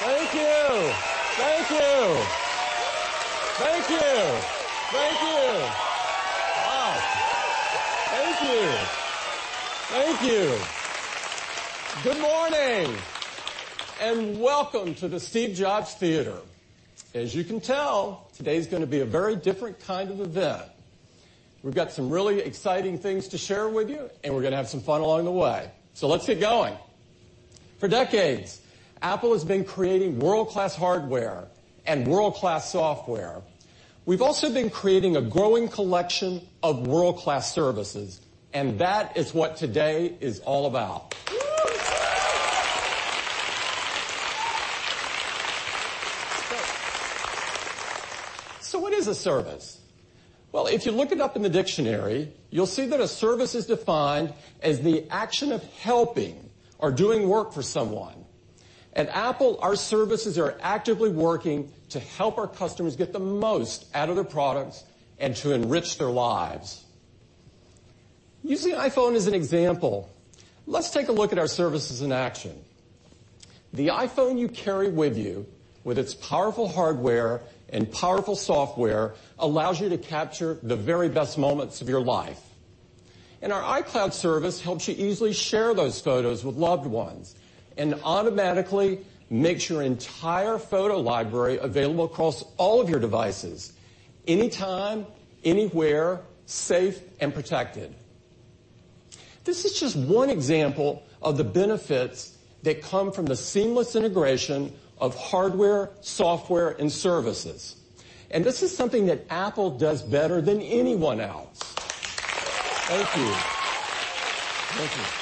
Thank you. Thank you. Thank you. Thank you. Wow. Thank you. Thank you. Good morning, and welcome to the Steve Jobs Theater. As you can tell, today's going to be a very different kind of event. We've got some really exciting things to share with you, and we're going to have some fun along the way. Let's get going. For decades, Apple has been creating world-class hardware and world-class software. We've also been creating a growing collection of world-class services, and that is what today is all about. What is a service? Well, if you look it up in the dictionary, you'll see that a service is defined as the action of helping or doing work for someone. At Apple, our services are actively working to help our customers get the most out of their products and to enrich their lives. Using iPhone as an example, let's take a look at our services in action. The iPhone you carry with you, with its powerful hardware and powerful software, allows you to capture the very best moments of your life. Our iCloud service helps you easily share those photos with loved ones and automatically makes your entire photo library available across all of your devices, anytime, anywhere, safe and protected. This is just one example of the benefits that come from the seamless integration of hardware, software, and services, and this is something that Apple does better than anyone else. Thank you. Thank you.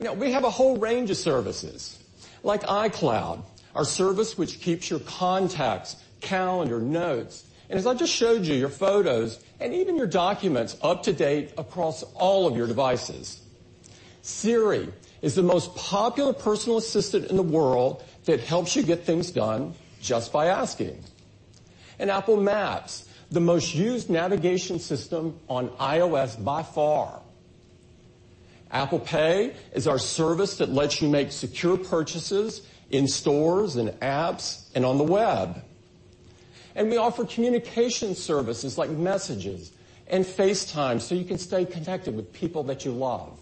Now, we have a whole range of services like iCloud, our service which keeps your contacts, calendar, notes, and as I just showed you, your photos and even your documents up to date across all of your devices. Siri is the most popular personal assistant in the world that helps you get things done just by asking. Apple Maps, the most used navigation system on iOS by far. Apple Pay is our service that lets you make secure purchases in stores and apps and on the web. We offer communication services like Messages and FaceTime, so you can stay connected with people that you love.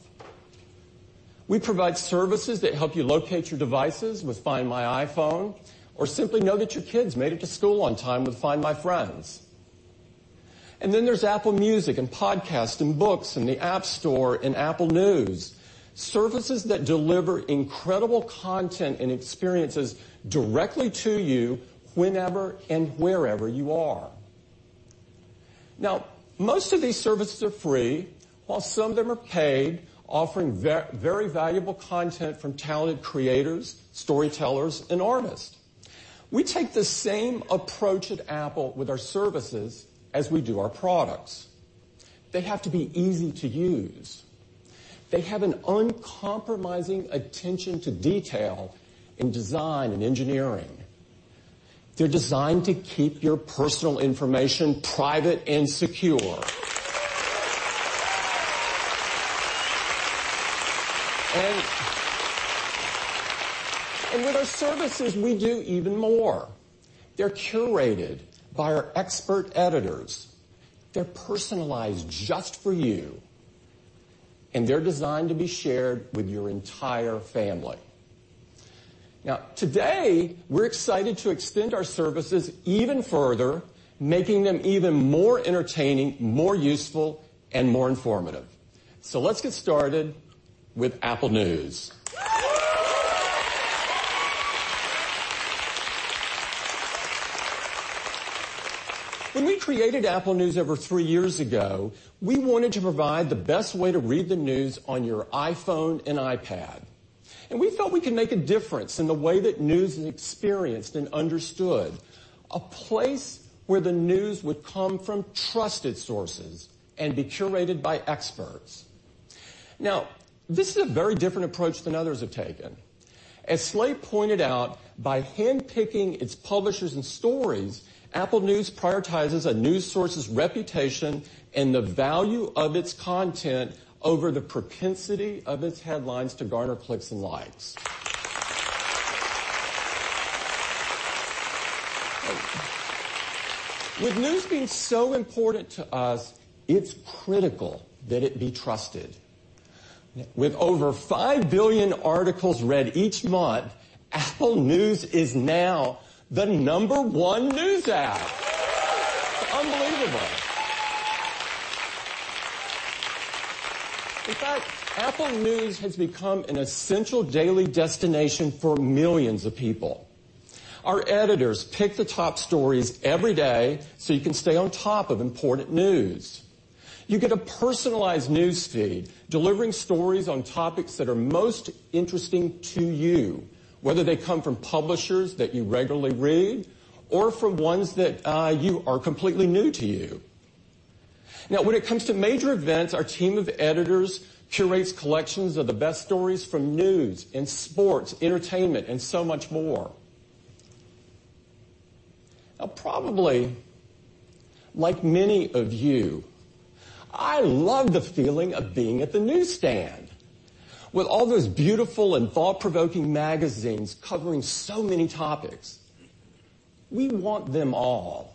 We provide services that help you locate your devices with Find My iPhone or simply know that your kids made it to school on time with Find My Friends. There's Apple Music and podcasts and books and the App Store and Apple News, services that deliver incredible content and experiences directly to you whenever and wherever you are. Now, most of these services are free, while some of them are paid, offering very valuable content from talented creators, storytellers, and artists. We take the same approach at Apple with our services as we do our products. They have to be easy to use. They have an uncompromising attention to detail in design and engineering. They're designed to keep your personal information private and secure. With our services, we do even more. They're curated by our expert editors. They're personalized just for you, and they're designed to be shared with your entire family. Now, today, we're excited to extend our services even further, making them even more entertaining, more useful, and more informative. Let's get started with Apple News. When we created Apple News over three years ago, we wanted to provide the best way to read the news on your iPhone and iPad. We felt we could make a difference in the way that news is experienced and understood, a place where the news would come from trusted sources and be curated by experts. This is a very different approach than others have taken. As Slate pointed out, by handpicking its publishers and stories, Apple News prioritizes a news source's reputation and the value of its content over the propensity of its headlines to garner clicks and likes. With news being so important to us, it's critical that it be trusted. With over 5 billion articles read each month, Apple News is now the number 1 news app. Unbelievable. In fact, Apple News has become an essential daily destination for millions of people. Our editors pick the top stories every day so you can stay on top of important news. You get a personalized news feed, delivering stories on topics that are most interesting to you, whether they come from publishers that you regularly read or from ones that you are completely new to you. When it comes to major events, our team of editors curates collections of the best stories from news and sports, entertainment, and so much more. Probably, like many of you, I love the feeling of being at the newsstand with all those beautiful and thought-provoking magazines covering so many topics. We want them all,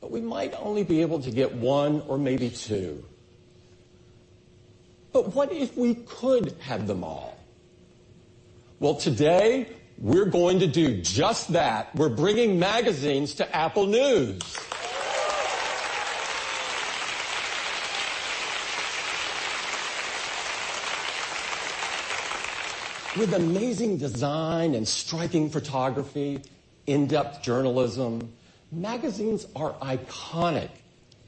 but we might only be able to get one or maybe two. What if we could have them all? Today we're going to do just that. We're bringing magazines to Apple News. With amazing design and striking photography, in-depth journalism, magazines are iconic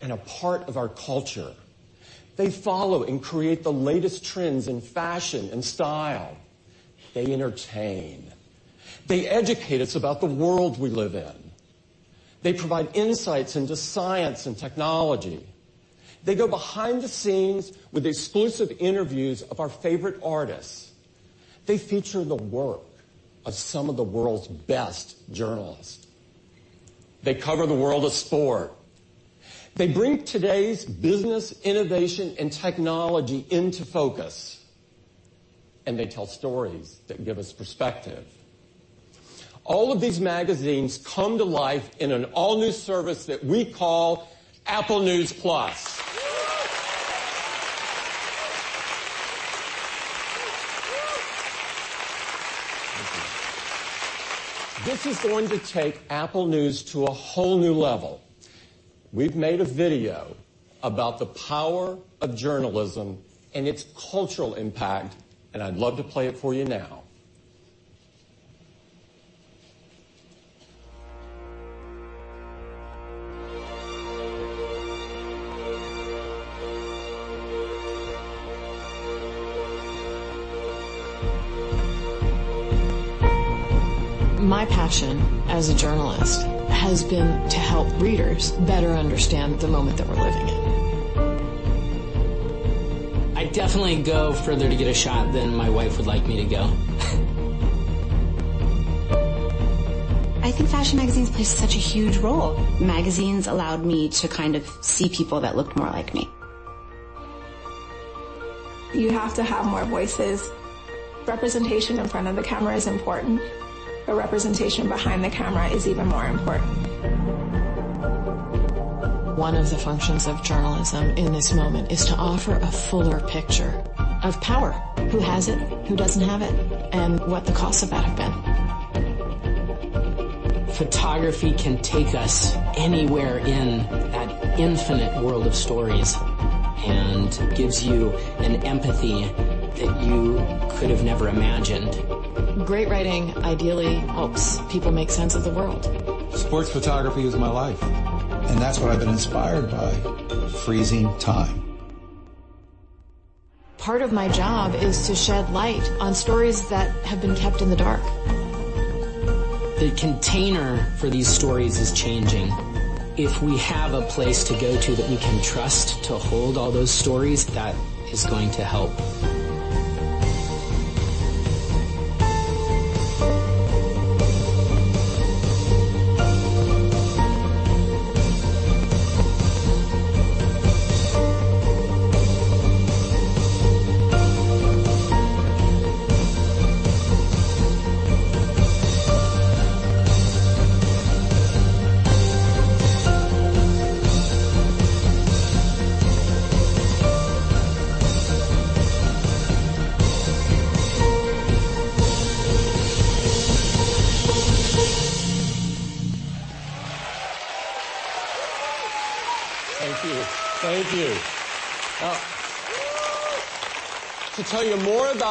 and a part of our culture. They follow and create the latest trends in fashion and style. They entertain. They educate us about the world we live in. They provide insights into science and technology. They go behind the scenes with exclusive interviews of our favorite artists. They feature the work of some of the world's best journalists. They cover the world of sport. They bring today's business innovation and technology into focus. They tell stories that give us perspective. All of these magazines come to life in an all-new service that we call Apple News+. Thank you. This is going to take Apple News to a whole new level. We've made a video about the power of journalism and its cultural impact. I'd love to play it for you now. {Presentation} Thank you. Thank you. To tell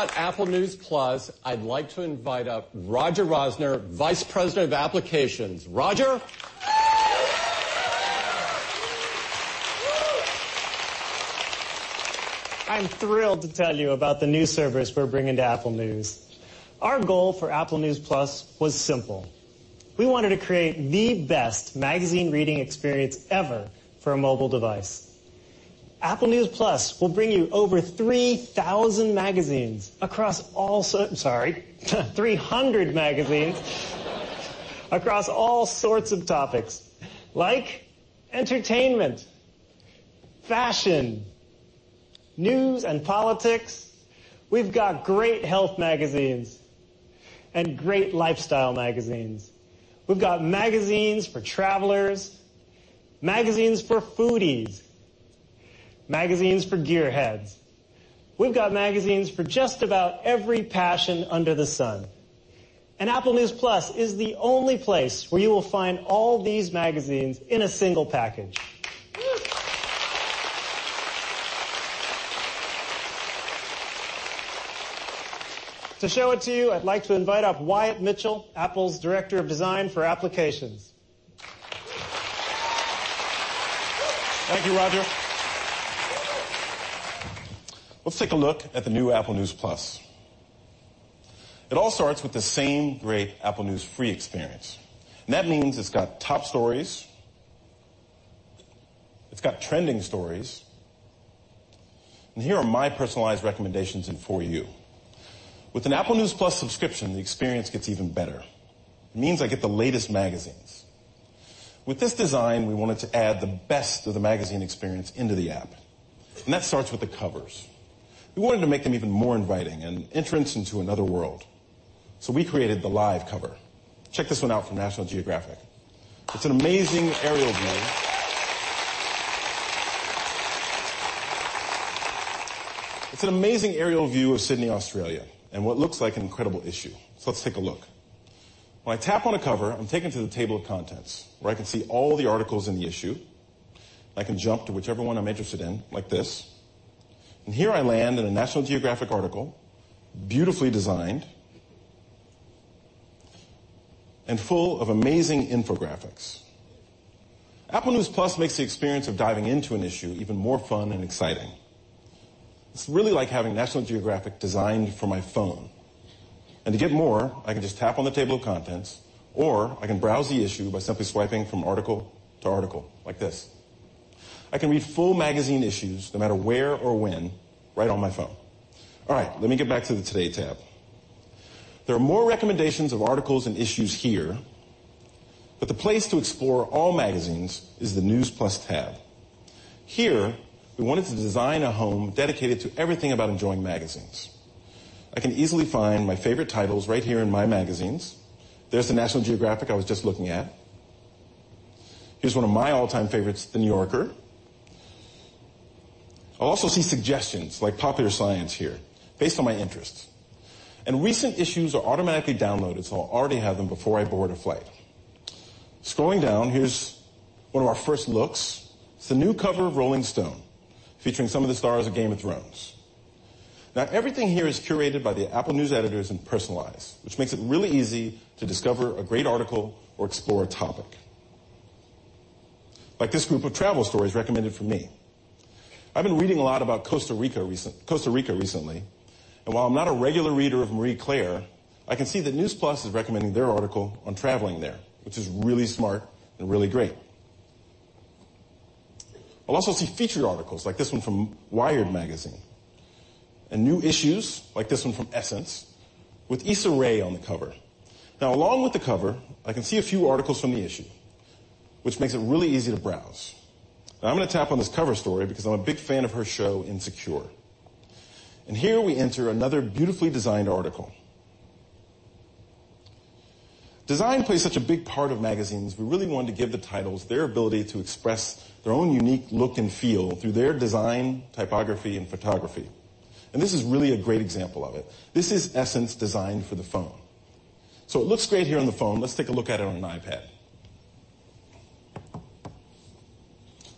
you more about Apple News+, I'd like to invite up Roger Rosner, vice president of applications. Roger. I'm thrilled to tell you about the new service we're bringing to Apple News. Our goal for Apple News+ was simple. We wanted to create the best magazine reading experience ever for a mobile device. Apple News+ will bring you over 300 magazines across all sorts of topics like entertainment, fashion, news, and politics. We've got great health magazines and great lifestyle magazines. We've got magazines for travelers, magazines for foodies, magazines for gearheads. We've got magazines for just about every passion under the sun. Apple News+ is the only place where you will find all these magazines in a single package. To show it to you, I'd like to invite up Wyatt Mitchell, Apple's director of design for applications. Thank you, Roger. Let's take a look at the new Apple News+. It all starts with the same great Apple News free experience, and that means it's got top stories. It's got trending stories, and here are my personalized recommendations in For You. With an Apple News+ subscription, the experience gets even better. It means I get the latest magazines. With this design, we wanted to add the best of the magazine experience into the app, and that starts with the covers. We wanted to make them even more inviting and an entrance into another world, so we created the live cover. Check this one out from National Geographic. It's an amazing aerial view of Sydney, Australia, and what looks like an incredible issue. Let's take a look. When I tap on a cover, I'm taken to the table of contents, where I can see all the articles in the issue. I can jump to whichever one I'm interested in, like this. Here I land in a National Geographic article, beautifully designed and full of amazing infographics. Apple News+ makes the experience of diving into an issue even more fun and exciting. It's really like having National Geographic designed for my phone. To get more, I can just tap on the table of contents, or I can browse the issue by simply swiping from article to article like this. I can read full magazine issues no matter where or when, right on my phone. All right. Let me get back to the Today tab. There are more recommendations of articles and issues here, but the place to explore all magazines is the News+ tab. Here, we wanted to design a home dedicated to everything about enjoying magazines. I can easily find my favorite titles right here in My Magazines. There's the National Geographic I was just looking at. Here's one of my all-time favorites, The New Yorker. I'll also see suggestions like Popular Science here based on my interests. Recent issues are automatically downloaded, so I'll already have them before I board a flight. Scrolling down, here's one of our first looks. It's the new cover of Rolling Stone, featuring some of the stars of Game of Thrones. Everything here is curated by the Apple News editors and personalized, which makes it really easy to discover a great article or explore a topic, like this group of travel stories recommended for me. I've been reading a lot about Costa Rica recently, and while I'm not a regular reader of Marie Claire, I can see that News+ is recommending their article on traveling there, which is really smart and really great. I'll also see featured articles like this one from Wired magazine, and new issues like this one from ESSENCE with Issa Rae on the cover. Along with the cover, I can see a few articles from the issue, which makes it really easy to browse. I'm going to tap on this cover story because I'm a big fan of her show, Insecure. Here we enter another beautifully designed article. Design plays such a big part of magazines. We really wanted to give the titles their ability to express their own unique look and feel through their design, typography, and photography, and this is really a great example of it. This is ESSENCE designed for the phone. It looks great here on the phone. Let's take a look at it on an iPad.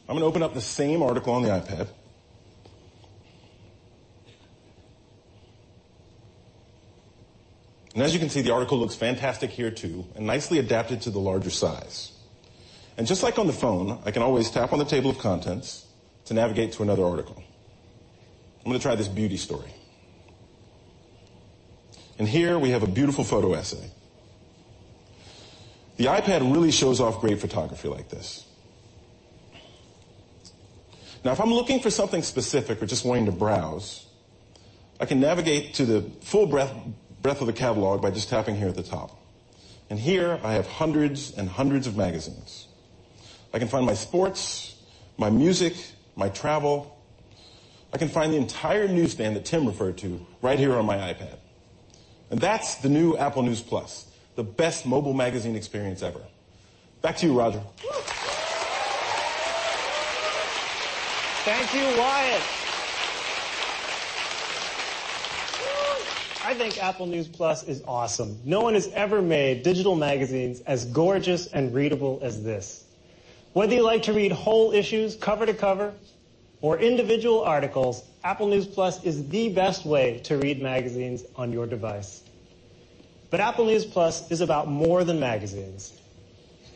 I'm going to open up the same article on the iPad. As you can see, the article looks fantastic here too, and nicely adapted to the larger size. Just like on the phone, I can always tap on the table of contents to navigate to another article. I'm going to try this beauty story. Here we have a beautiful photo essay. The iPad really shows off great photography like this. If I'm looking for something specific or just wanting to browse, I can navigate to the full breadth of the catalog by just tapping here at the top. Here I have hundreds and hundreds of magazines. I can find my sports, my music, my travel. I can find the entire newsstand that Tim referred to right here on my iPad. That's the new Apple News+, the best mobile magazine experience ever. Back to you, Roger. Thank you, Wyatt. I think Apple News+ is awesome. No one has ever made digital magazines as gorgeous and readable as this. Whether you like to read whole issues cover to cover or individual articles, Apple News+ is the best way to read magazines on your device. Apple News+ is about more than magazines.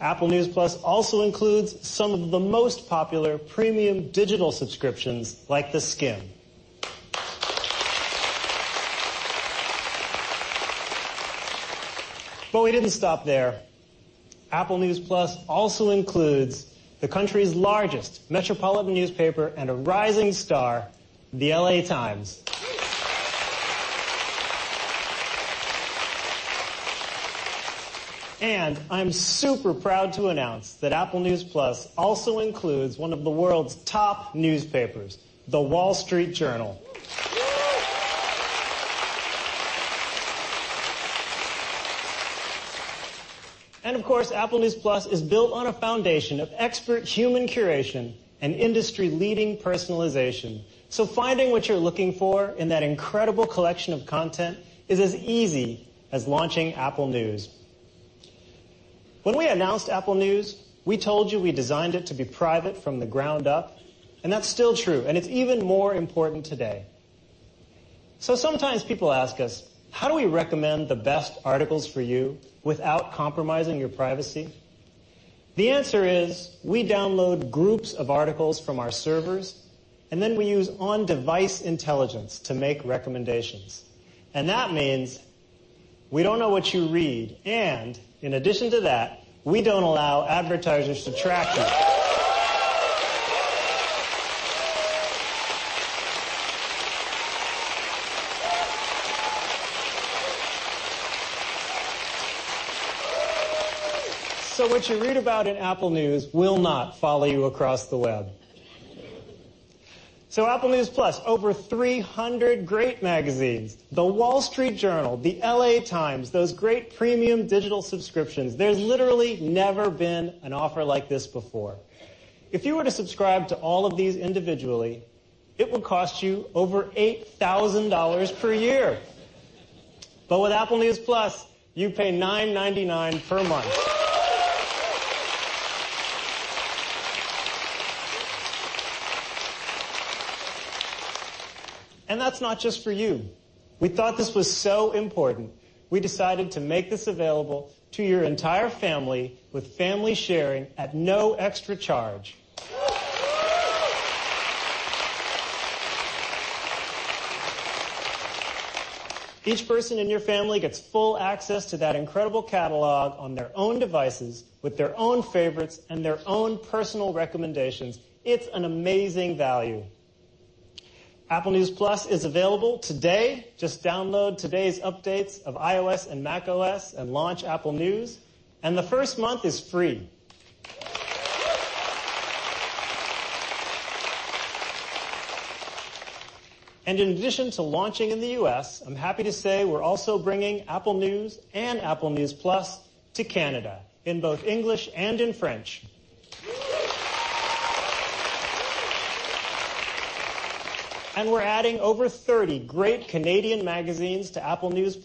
Apple News+ also includes some of the most popular premium digital subscriptions, like theSkimm. We didn't stop there. Apple News+ also includes the country's largest metropolitan newspaper and a rising star, the L.A. Times. I'm super proud to announce that Apple News+ also includes one of the world's top newspapers, The Wall Street Journal. Of course, Apple News+ is built on a foundation of expert human curation and industry-leading personalization, so finding what you're looking for in that incredible collection of content is as easy as launching Apple News. When we announced Apple News, we told you we designed it to be private from the ground up, that's still true, and it's even more important today. Sometimes people ask us, "How do we recommend the best articles for you without compromising your privacy?" The answer is we download groups of articles from our servers, then we use on-device intelligence to make recommendations. That means We don't know what you read, and in addition to that, we don't allow advertisers to track you. What you read about in Apple News will not follow you across the web. Apple News+, over 300 great magazines, The Wall Street Journal, the L.A. Times, those great premium digital subscriptions. There's literally never been an offer like this before. If you were to subscribe to all of these individually, it would cost you over $8,000 per year. With Apple News+, you pay $9.99 per month. That's not just for you. We thought this was so important, we decided to make this available to your entire family with Family Sharing at no extra charge. Each person in your family gets full access to that incredible catalog on their own devices with their own favorites and their own personal recommendations. It's an amazing value. Apple News+ is available today. Just download today's updates of iOS and macOS and launch Apple News, and the first month is free. In addition to launching in the U.S., I'm happy to say we're also bringing Apple News and Apple News+ to Canada in both English and in French. We're adding over 30 great Canadian magazines to Apple News+,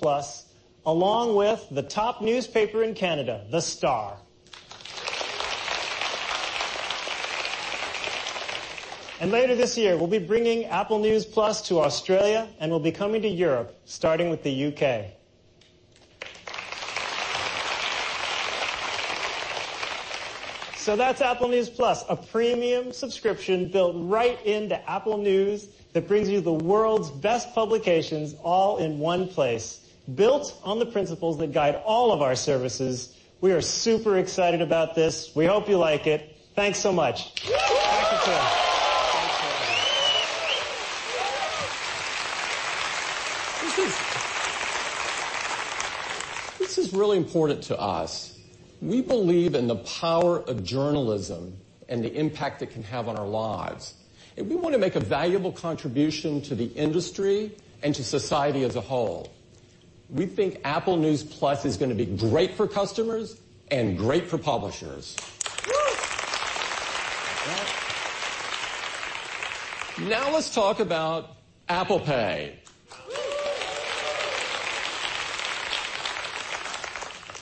along with the top newspaper in Canada, The Star. Later this year, we'll be bringing Apple News+ to Australia, and we'll be coming to Europe, starting with the U.K. That's Apple News+, a premium subscription built right into Apple News that brings you the world's best publications all in one place. Built on the principles that guide all of our services, we are super excited about this. We hope you like it. Thanks so much. This is really important to us. We believe in the power of journalism and the impact it can have on our lives. We want to make a valuable contribution to the industry and to society as a whole. We think Apple News+ is going to be great for customers and great for publishers. Let's talk about Apple Pay.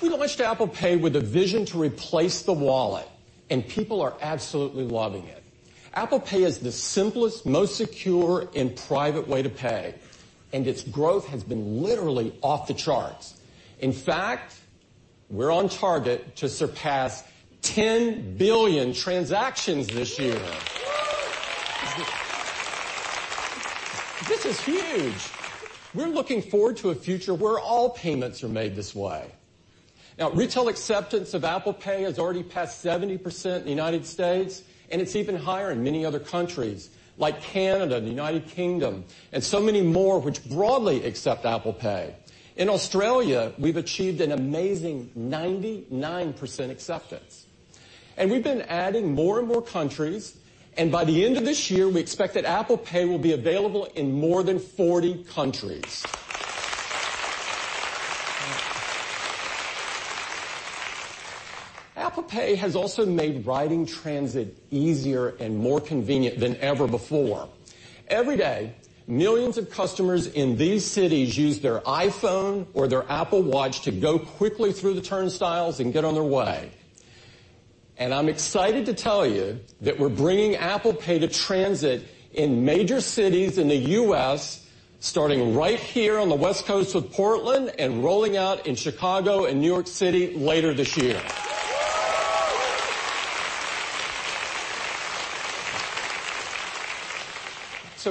We launched Apple Pay with a vision to replace the wallet, and people are absolutely loving it. Apple Pay is the simplest, most secure, and private way to pay, and its growth has been literally off the charts. In fact, we're on target to surpass 10 billion transactions this year. This is huge. We're looking forward to a future where all payments are made this way. Retail acceptance of Apple Pay has already passed 70% in the U.S., and it's even higher in many other countries like Canada, the U.K., and so many more which broadly accept Apple Pay. In Australia, we've achieved an amazing 99% acceptance. We've been adding more and more countries, and by the end of this year, we expect that Apple Pay will be available in more than 40 countries. Apple Pay has also made riding transit easier and more convenient than ever before. Every day, millions of customers in these cities use their iPhone or their Apple Watch to go quickly through the turnstiles and get on their way. I'm excited to tell you that we're bringing Apple Pay to transit in major cities in the U.S., starting right here on the West Coast with Portland and rolling out in Chicago and New York City later this year.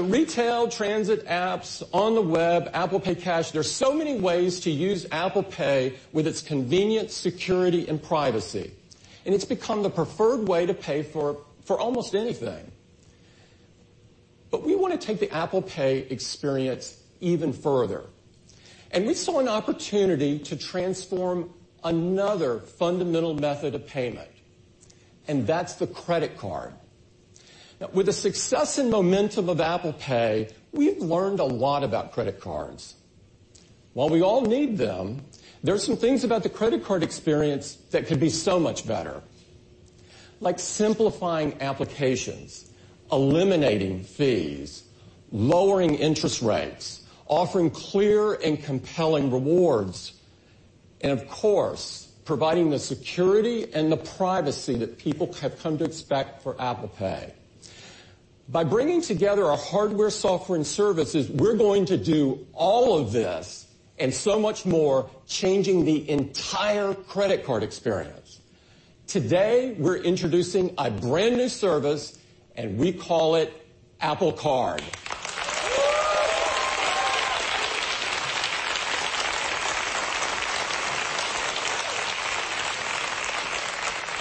Retail transit apps on the web, Apple Pay Cash, there's so many ways to use Apple Pay with its convenience, security, and privacy, and it's become the preferred way to pay for almost anything. We want to take the Apple Pay experience even further, and we saw an opportunity to transform another fundamental method of payment, and that's the credit card. With the success and momentum of Apple Pay, we've learned a lot about credit cards. While we all need them, there are some things about the credit card experience that could be so much better, like simplifying applications, eliminating fees, lowering interest rates, offering clear and compelling rewards, and of course, providing the security and the privacy that people have come to expect for Apple Pay. By bringing together our hardware, software, and services, we're going to do all of this and so much more, changing the entire credit card experience. Today, we're introducing a brand-new service, and we call it Apple Card.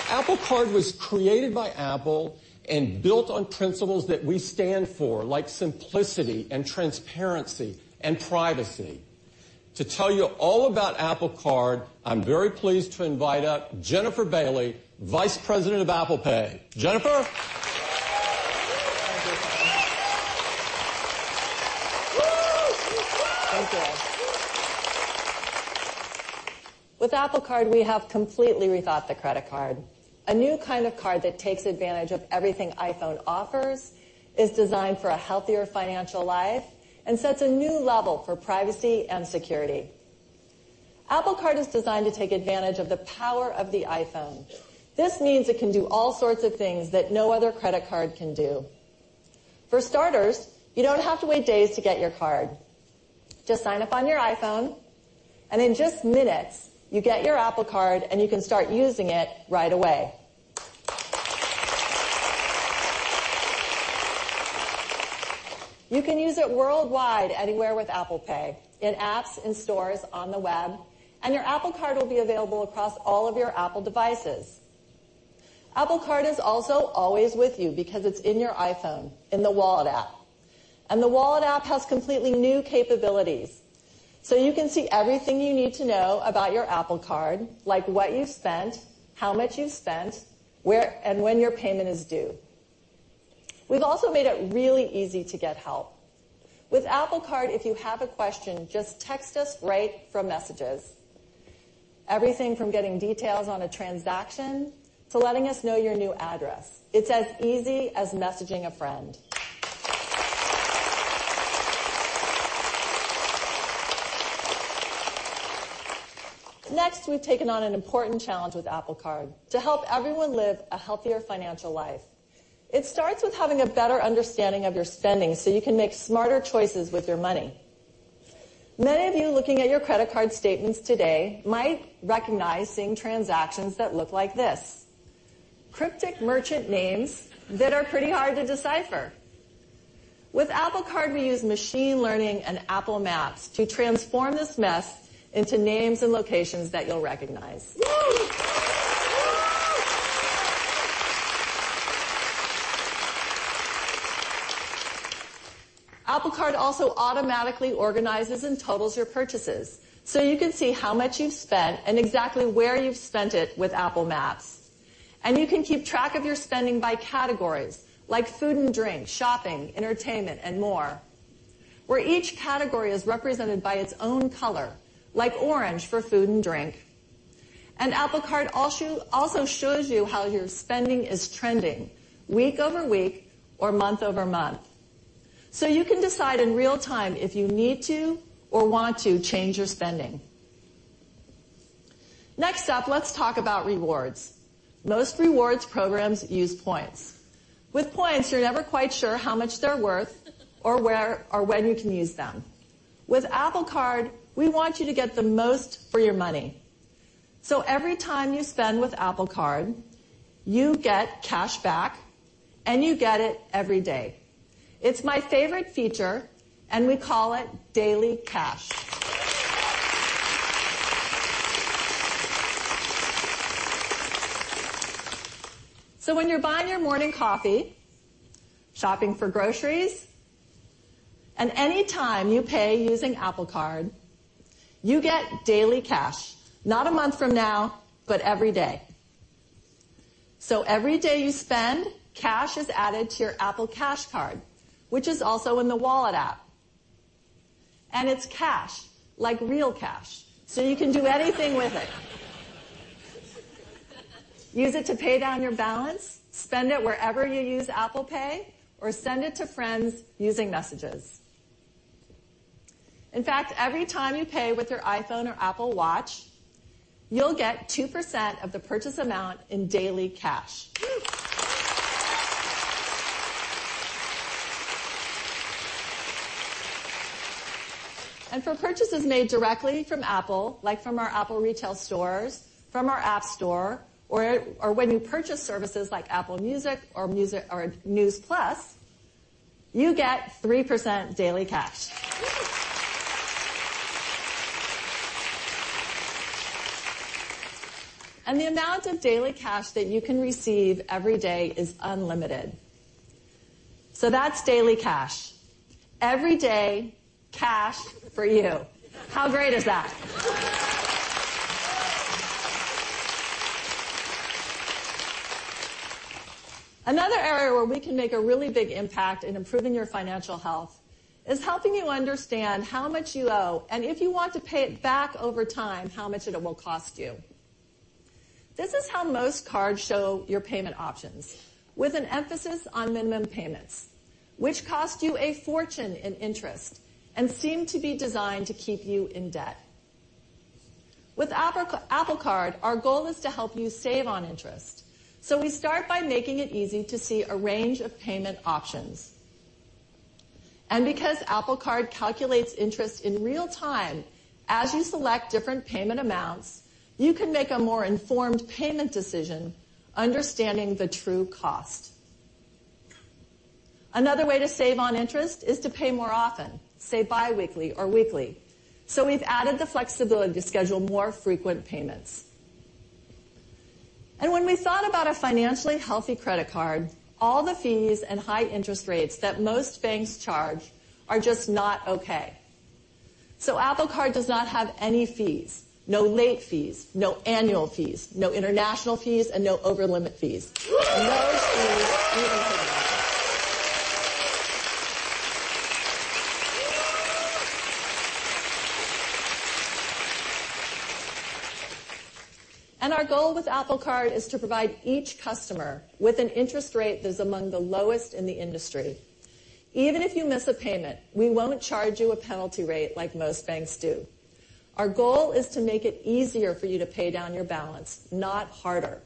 Apple Card was created by Apple and built on principles that we stand for, like simplicity and transparency and privacy. To tell you all about Apple Card, I'm very pleased to invite up Jennifer Bailey, Vice President of Apple Pay. Jennifer? Thank you. With Apple Card, we have completely rethought the credit card. A new kind of card that takes advantage of everything iPhone offers, is designed for a healthier financial life, and sets a new level for privacy and security. Apple Card is designed to take advantage of the power of the iPhone. This means it can do all sorts of things that no other credit card can do. For starters, you don't have to wait days to get your card. Just sign up on your iPhone, and in just minutes, you get your Apple Card, and you can start using it right away. You can use it worldwide, anywhere with Apple Pay, in apps, in stores, on the web. Your Apple Card will be available across all of your Apple devices. Apple Card is also always with you because it's in your iPhone, in the Wallet app. The Wallet app has completely new capabilities. You can see everything you need to know about your Apple Card, like what you spent, how much you spent, where and when your payment is due. We've also made it really easy to get help. With Apple Card, if you have a question, just text us right from Messages. Everything from getting details on a transaction to letting us know your new address. It's as easy as messaging a friend. Next, we've taken on an important challenge with Apple Card to help everyone live a healthier financial life. It starts with having a better understanding of your spending so you can make smarter choices with your money. Many of you looking at your credit card statements today might recognize seeing transactions that look like this. Cryptic merchant names that are pretty hard to decipher. With Apple Card, we use machine learning and Apple Maps to transform this mess into names and locations that you'll recognize. Apple Card also automatically organizes and totals your purchases so you can see how much you've spent and exactly where you've spent it with Apple Maps. You can keep track of your spending by categories, like food and drink, shopping, entertainment, and more, where each category is represented by its own color, like orange for food and drink. Apple Card also shows you how your spending is trending week-over-week or month-over-month. You can decide in real-time if you need to or want to change your spending. Next up, let's talk about rewards. Most rewards programs use points. With points, you're never quite sure how much they're worth or where or when you can use them. With Apple Card, we want you to get the most for your money. Every time you spend with Apple Card, you get cash back, and you get it every day. It's my favorite feature, and we call it Daily Cash. When you're buying your morning coffee, shopping for groceries, and any time you pay using Apple Card, you get Daily Cash. Not a month from now, but every day. Every day you spend, cash is added to your Apple Cash card, which is also in the Wallet app. It's cash, like real cash. You can do anything with it. Use it to pay down your balance, spend it wherever you use Apple Pay, or send it to friends using Messages. In fact, every time you pay with your iPhone or Apple Watch, you'll get 2% of the purchase amount in Daily Cash. For purchases made directly from Apple, like from our Apple Retail stores, from our App Store, or when you purchase services like Apple Music or Apple News+, you get 3% Daily Cash. The amount of Daily Cash that you can receive every day is unlimited. That's Daily Cash. Every day, cash for you. How great is that? Another area where we can make a really big impact in improving your financial health is helping you understand how much you owe, and if you want to pay it back over time, how much it will cost you. This is how most cards show your payment options, with an emphasis on minimum payments, which cost you a fortune in interest and seem to be designed to keep you in debt. With Apple Card, our goal is to help you save on interest, we start by making it easy to see a range of payment options. Because Apple Card calculates interest in real time as you select different payment amounts, you can make a more informed payment decision understanding the true cost. Another way to save on interest is to pay more often, say biweekly or weekly. We've added the flexibility to schedule more frequent payments. When we thought about a financially healthy credit card, all the fees and high interest rates that most banks charge are just not okay. Apple Card does not have any fees, no late fees, no annual fees, no international fees, and no over-limit fees. No fees of any kind. Our goal with Apple Card is to provide each customer with an interest rate that is among the lowest in the industry. Even if you miss a payment, we won't charge you a penalty rate like most banks do. Our goal is to make it easier for you to pay down your balance, not harder.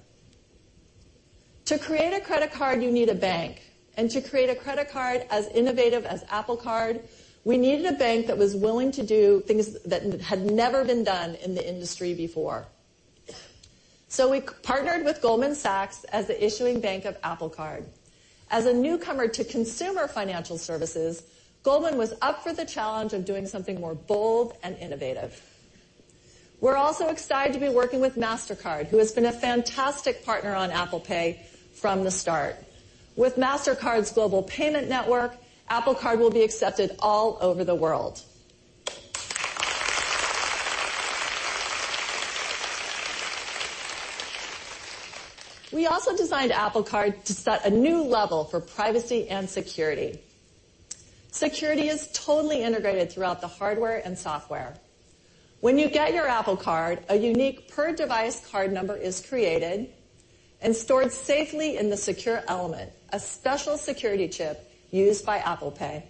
To create a credit card, you need a bank, and to create a credit card as innovative as Apple Card, we needed a bank that was willing to do things that had never been done in the industry before. We partnered with Goldman Sachs as the issuing bank of Apple Card. As a newcomer to consumer financial services, Goldman was up for the challenge of doing something more bold and innovative. We're also excited to be working with Mastercard, who has been a fantastic partner on Apple Pay from the start. With Mastercard's global payment network, Apple Card will be accepted all over the world. We also designed Apple Card to set a new level for privacy and security. Security is totally integrated throughout the hardware and software. When you get your Apple Card, a unique per device card number is created and stored safely in the Secure Element, a special security chip used by Apple Pay.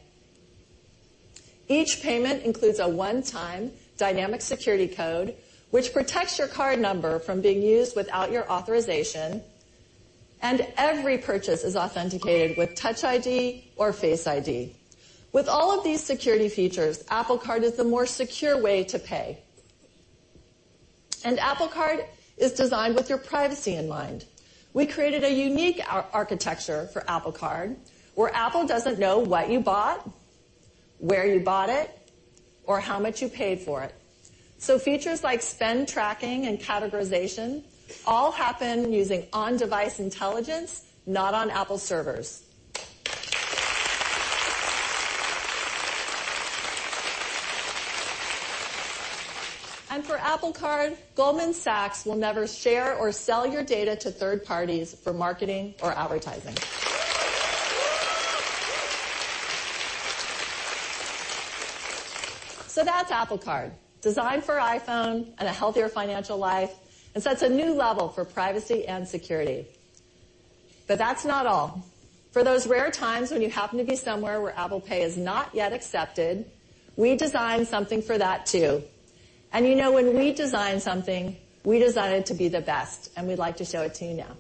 Each payment includes a one-time dynamic security code, which protects your card number from being used without your authorization, and every purchase is authenticated with Touch ID or Face ID. With all of these security features, Apple Card is the more secure way to pay. Apple Card is designed with your privacy in mind. We created a unique architecture for Apple Card where Apple doesn't know what you bought, where you bought it, or how much you paid for it. Features like spend tracking and categorization all happen using on-device intelligence, not on Apple servers. For Apple Card, Goldman Sachs will never share or sell your data to third parties for marketing or advertising. That's Apple Card, designed for iPhone and a healthier financial life, and sets a new level for privacy and security. That's not all. For those rare times when you happen to be somewhere where Apple Pay is not yet accepted, we designed something for that too. You know when we design something, we design it to be the best, and we'd like to show it to you now.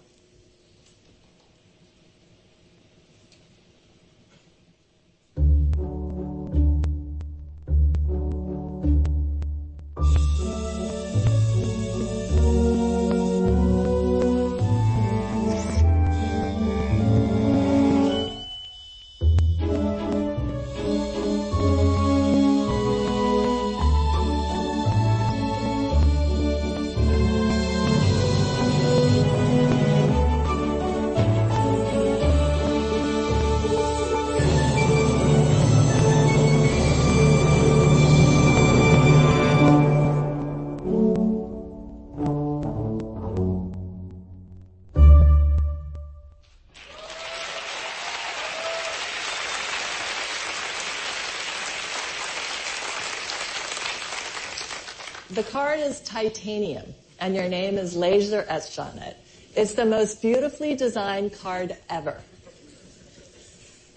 The card is titanium, and your name is laser etched on it. It's the most beautifully designed card ever.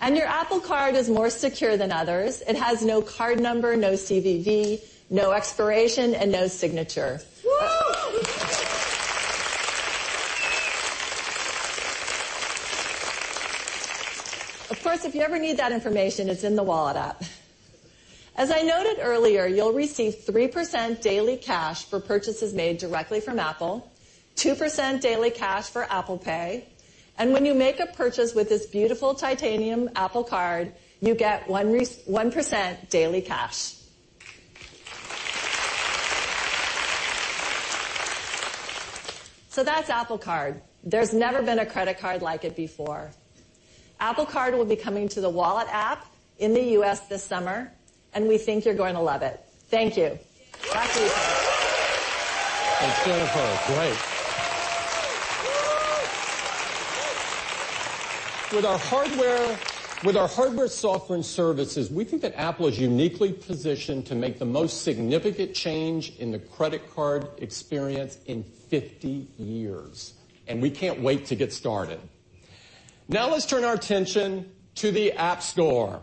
Your Apple Card is more secure than others. It has no card number, no CVV, no expiration, and no signature. Of course, if you ever need that information, it's in the Wallet app. As I noted earlier, you'll receive 3% Daily Cash for purchases made directly from Apple, 2% Daily Cash for Apple Pay, and when you make a purchase with this beautiful titanium Apple Card, you get 1% Daily Cash. That's Apple Card. There's never been a credit card like it before. Apple Card will be coming to the Wallet app in the U.S. this summer, and we think you're going to love it. Thank you. Back to you, Tim. Instead of her. Great. With our hardware, software, and services, we think that Apple is uniquely positioned to make the most significant change in the credit card experience in 50 years, and we can't wait to get started. Now let's turn our attention to the App Store.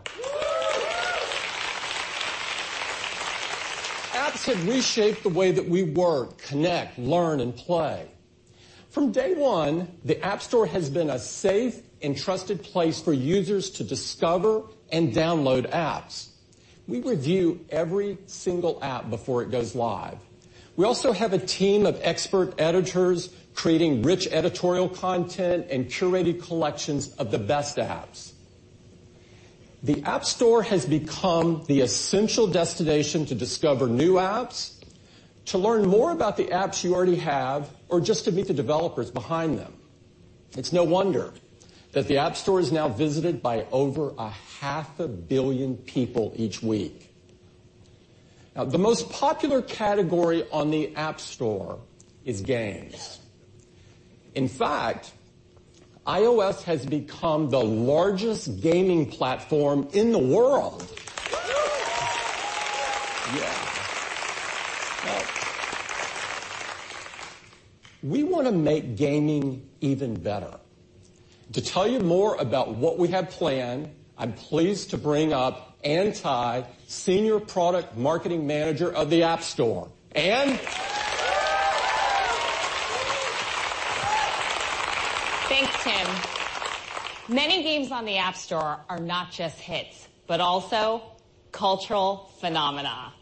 Apps have reshaped the way that we work, connect, learn, and play. From day one, the App Store has been a safe and trusted place for users to discover and download apps. We review every single app before it goes live. We also have a team of expert editors creating rich editorial content and curated collections of the best apps. The App Store has become the essential destination to discover new apps, to learn more about the apps you already have, or just to meet the developers behind them. It's no wonder that the App Store is now visited by over a half a billion people each week. The most popular category on the App Store is games. In fact, iOS has become the largest gaming platform in the world. Yeah. We want to make gaming even better. To tell you more about what we have planned, I'm pleased to bring up Ann Thai, Senior Product Marketing Manager of the App Store. Ann. Thanks, Tim. Many games on the App Store are not just hits, but also cultural phenomena.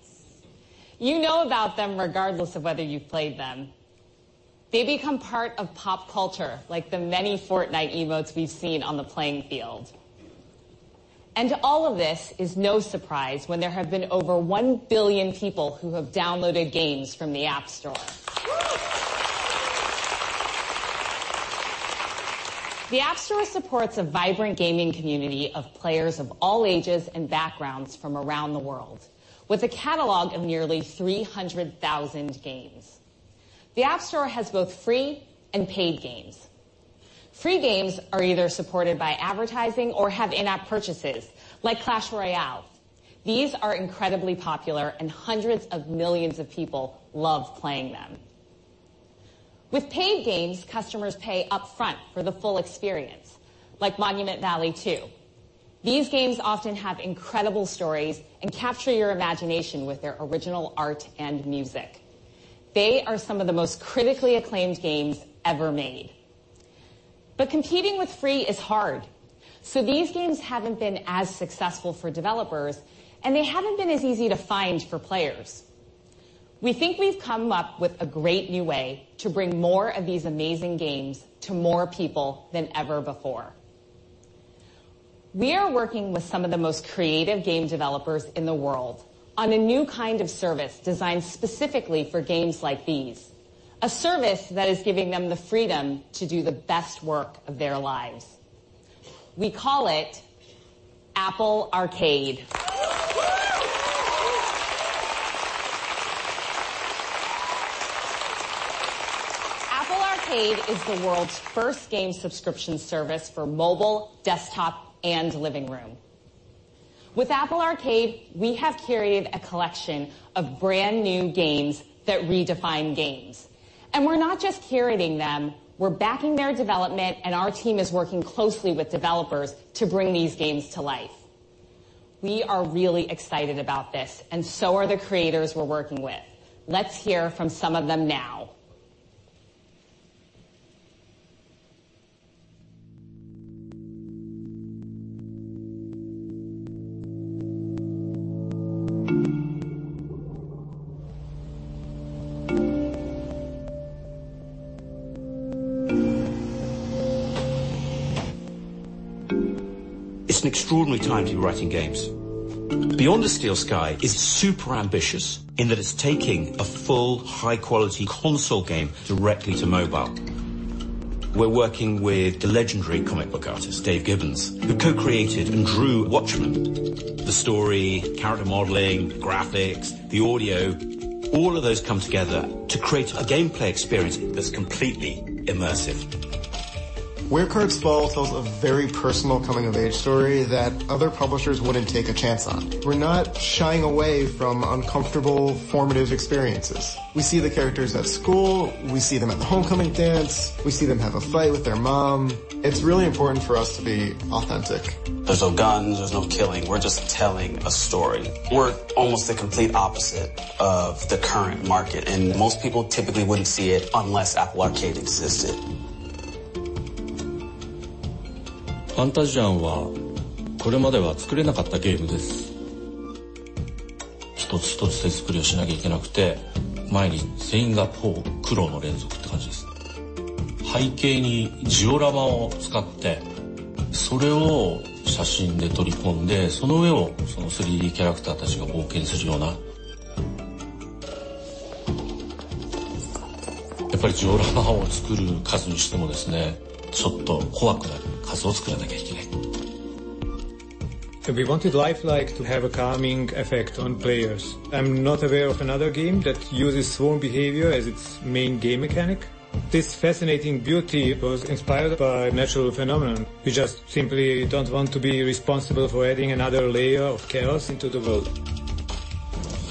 You know about them regardless of whether you've played them. They become part of pop culture, like the many Fortnite emotes we've seen on the playing field. All of this is no surprise when there have been over 1 billion people who have downloaded games from the App Store. The App Store supports a vibrant gaming community of players of all ages and backgrounds from around the world, with a catalog of nearly 300,000 games. The App Store has both free and paid games. Free games are either supported by advertising or have in-app purchases, like Clash Royale. These are incredibly popular, and hundreds of millions of people love playing them. With paid games, customers pay upfront for the full experience, like Monument Valley 2. These games often have incredible stories and capture your imagination with their original art and music. They are some of the most critically acclaimed games ever made. Competing with free is hard, so these games haven't been as successful for developers, and they haven't been as easy to find for players. We think we've come up with a great new way to bring more of these amazing games to more people than ever before. We are working with some of the most creative game developers in the world on a new kind of service designed specifically for games like these, a service that is giving them the freedom to do the best work of their lives. We call it Apple Arcade. Apple Arcade is the world's first game subscription service for mobile, desktop, and living room. With Apple Arcade, we have curated a collection of brand-new games that redefine games, and we're not just curating them, we're backing their development, and our team is working closely with developers to bring these games to life. We are really excited about this, and so are the creators we're working with. Let's hear from some of them now. It's an extraordinary time to be writing games. Beyond a Steel Sky is super ambitious in that it's taking a full high-quality console game directly to mobile. We're working with the legendary comic book artist Dave Gibbons, who co-created and drew Watchmen. The story, character modeling, graphics, the audio, all of those come together to create a gameplay experience that's completely immersive. Where Cards Fall tells a very personal coming-of-age story that other publishers wouldn't take a chance on. We're not shying away from uncomfortable formative experiences. We see the characters at school, we see them at the homecoming dance, we see them have a fight with their mom. It's really important for us to be authentic. There's no guns, there's no killing. We're just telling a story. We're almost the complete opposite of the current market, most people typically wouldn't see it unless Apple Arcade existed. Fantasian is a game that could not have been made before. We have to create each element one by one, every day is full of hard work. We use dioramas as the background, take photos of them, then the 3D characters go on an adventure on top of them. The number of dioramas we need to make is a bit scary. We have to make that many. We wanted Lifelike to have a calming effect on players. I'm not aware of another game that uses swarm behavior as its main game mechanic. This fascinating beauty was inspired by a natural phenomenon. We just simply don't want to be responsible for adding another layer of chaos into the world.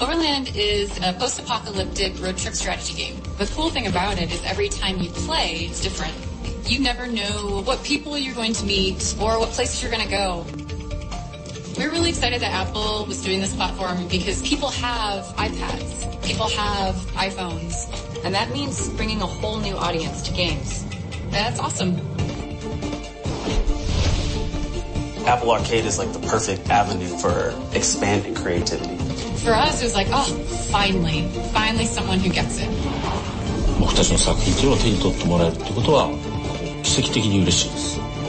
Overland is a post-apocalyptic road trip strategy game. The cool thing about it is every time you play, it's different. You never know what people you're going to meet or what places you're going to go. We were really excited that Apple was doing this platform because people have iPads, people have iPhones, and that means bringing a whole new audience to games, and that's awesome. Apple Arcade is the perfect avenue for expanding creativity. For us, it was like, "Oh, finally. Finally someone who gets it.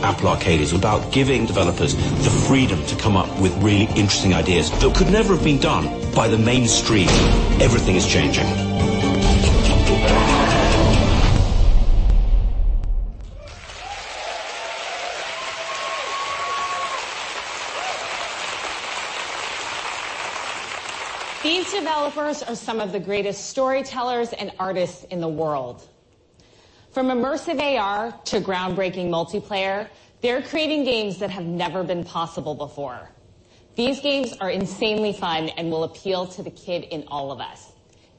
Apple Arcade is about giving developers the freedom to come up with really interesting ideas that could never have been done by the mainstream. Everything is changing. These developers are some of the greatest storytellers and artists in the world. From immersive AR to groundbreaking multiplayer, they're creating games that have never been possible before. These games are insanely fun and will appeal to the kid in all of us.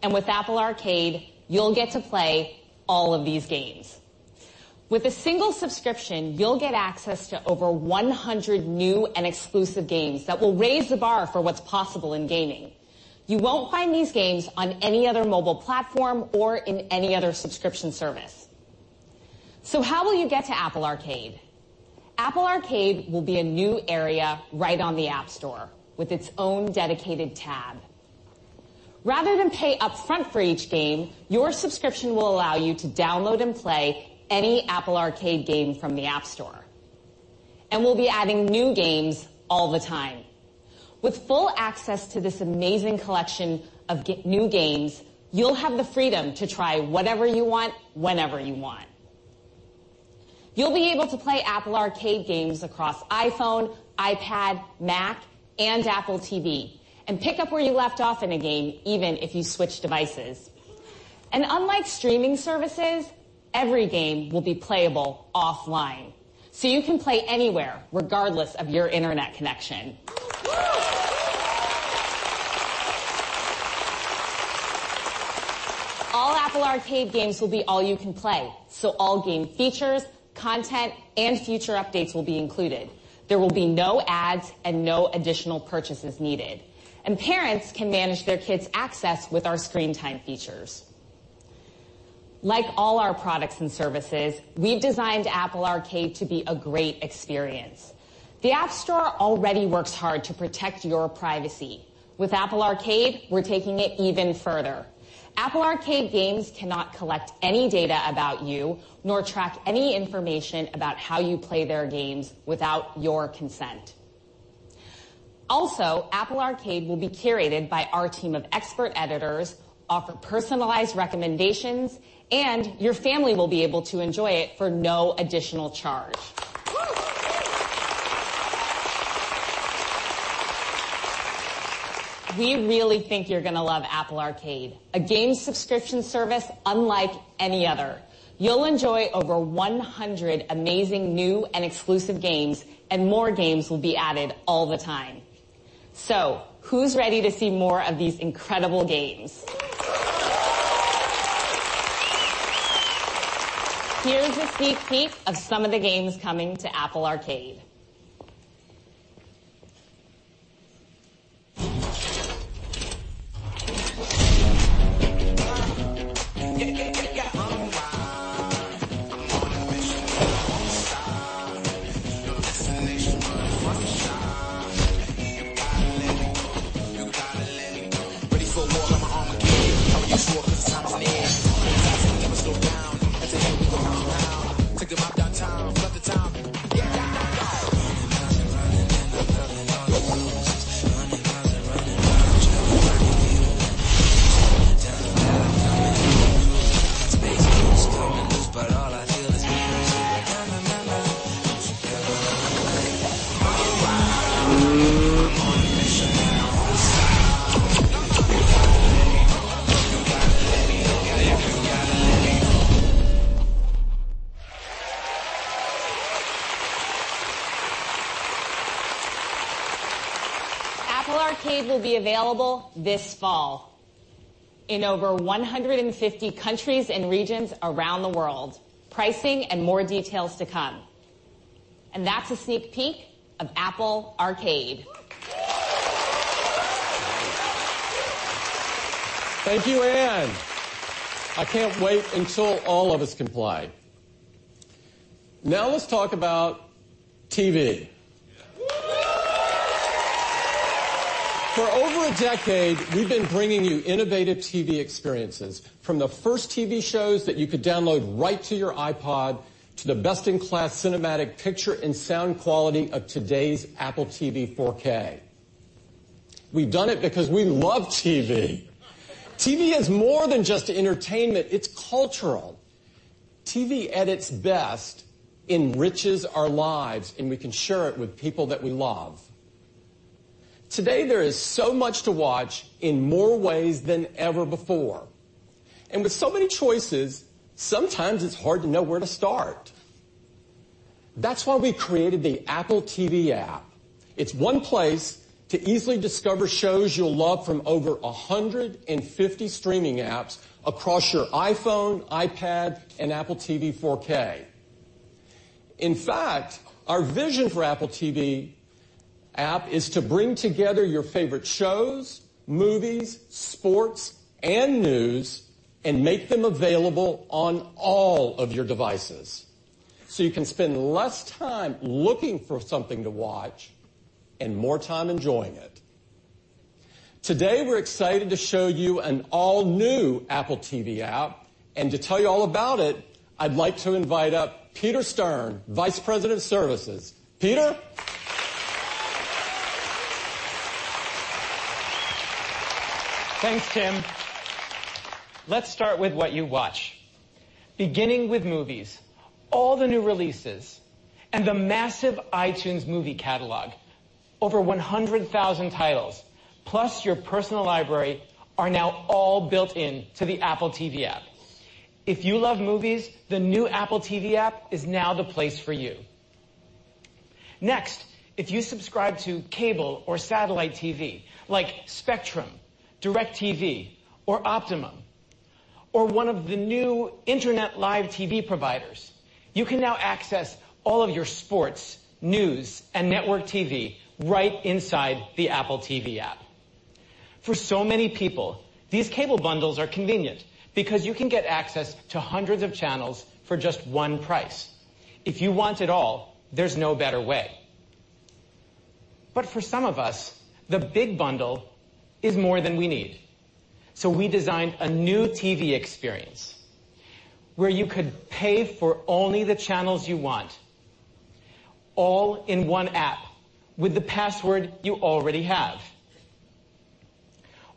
With Apple Arcade, you'll get to play all of these games. With a single subscription, you'll get access to over 100 new and exclusive games that will raise the bar for what's possible in gaming. You won't find these games on any other mobile platform or in any other subscription service. How will you get to Apple Arcade? Apple Arcade will be a new area right on the App Store with its own dedicated tab. Rather than pay upfront for each game, your subscription will allow you to download and play any Apple Arcade game from the App Store, and we'll be adding new games all the time. With full access to this amazing collection of new games, you'll have the freedom to try whatever you want, whenever you want. You'll be able to play Apple Arcade games across iPhone, iPad, Mac, and Apple TV, and pick up where you left off in a game even if you switch devices. Unlike streaming services, every game will be playable offline, so you can play anywhere regardless of your internet connection. All Apple Arcade games will be all you can play, so all game features, content, and future updates will be included. There will be no ads and no additional purchases needed, and parents can manage their kids' access with our Screen Time features. Like all our products and services, we've designed Apple Arcade to be a great experience. The App Store already works hard to protect your privacy. With Apple Arcade, we're taking it even further. Apple Arcade games cannot collect any data about you, nor track any information about how you play their games without your consent. Also, Apple Arcade will be curated by our team of expert editors, offer personalized recommendations, and your family will be able to enjoy it for no additional charge. We really think you're going to love Apple Arcade, a game subscription service unlike any other. You'll enjoy over 100 amazing new and exclusive games, and more games will be added all the time. Who's ready to see more of these incredible games? Here's a sneak peek of some of the games coming to Apple Arcade. Apple Arcade will be available this fall in over 150 countries and regions around the world. Pricing and more details to come. That's a sneak peek of Apple Arcade. Thank you, Anne. I can't wait until all of us can play. Now let's talk about TV. For over a decade, we've been bringing you innovative TV experiences, from the first TV shows that you could download right to your iPod, to the best-in-class cinematic picture and sound quality of today's Apple TV 4K. We've done it because we love TV. TV is more than just entertainment, it's cultural. TV at its best enriches our lives, and we can share it with people that we love. Today, there is so much to watch in more ways than ever before. With so many choices, sometimes it's hard to know where to start. That's why we created the Apple TV app. It's one place to easily discover shows you'll love from over 150 streaming apps across your iPhone, iPad, and Apple TV 4K. In fact, our vision for Apple TV app is to bring together your favorite shows, movies, sports, and news, and make them available on all of your devices, so you can spend less time looking for something to watch and more time enjoying it. Today, we're excited to show you an all-new Apple TV app, and to tell you all about it, I'd like to invite up Peter Stern, Vice President of Services. Peter? Thanks, Tim. Let's start with what you watch. Beginning with movies, all the new releases, and the massive iTunes movie catalog, over 100,000 titles, plus your personal library, are now all built into the Apple TV app. If you love movies, the new Apple TV app is now the place for you. Next, if you subscribe to cable or satellite TV, like Spectrum, DIRECTV, or Optimum, or one of the new internet live TV providers, you can now access all of your sports, news, and network TV right inside the Apple TV app. For so many people, these cable bundles are convenient because you can get access to hundreds of channels for just one price. If you want it all, there's no better way. For some of us, the big bundle is more than we need. We designed a new TV experience where you could pay for only the channels you want, all in one app with the password you already have.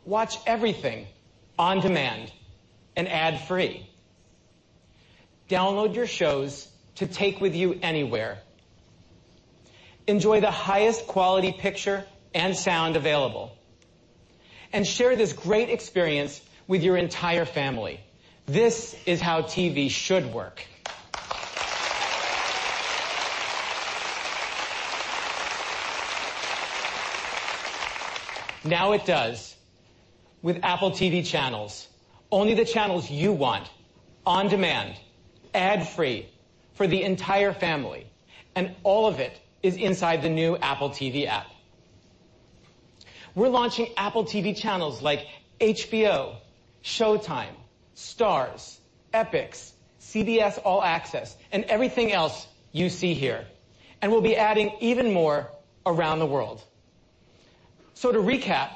Watch everything on demand and ad-free. Download your shows to take with you anywhere. Enjoy the highest quality picture and sound available. Share this great experience with your entire family. This is how TV should work. Now it does with Apple TV channels. Only the channels you want, on demand, ad-free, for the entire family, all of it is inside the new Apple TV app. We're launching Apple TV channels like HBO, SHOWTIME, Starz, EPIX, CBS All Access, and everything else you see here. We'll be adding even more around the world. To recap,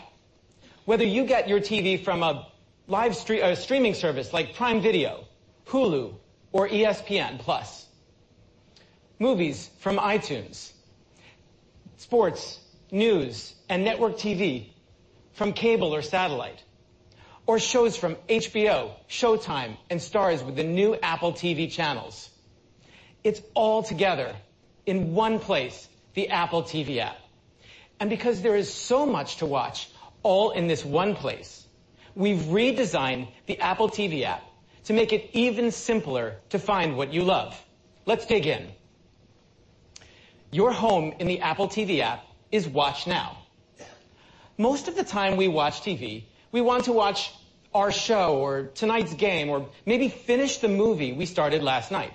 whether you get your TV from a streaming service like Prime Video, Hulu, or ESPN+, movies from iTunes, sports, news, and network TV from cable or satellite, or shows from HBO, SHOWTIME, and Starz with the new Apple TV channels, it's all together in one place, the Apple TV app. Because there is so much to watch all in this one place, we've redesigned the Apple TV app to make it even simpler to find what you love. Let's dig in. Your home in the Apple TV app is Watch Now. Most of the time we watch TV, we want to watch our show or tonight's game or maybe finish the movie we started last night.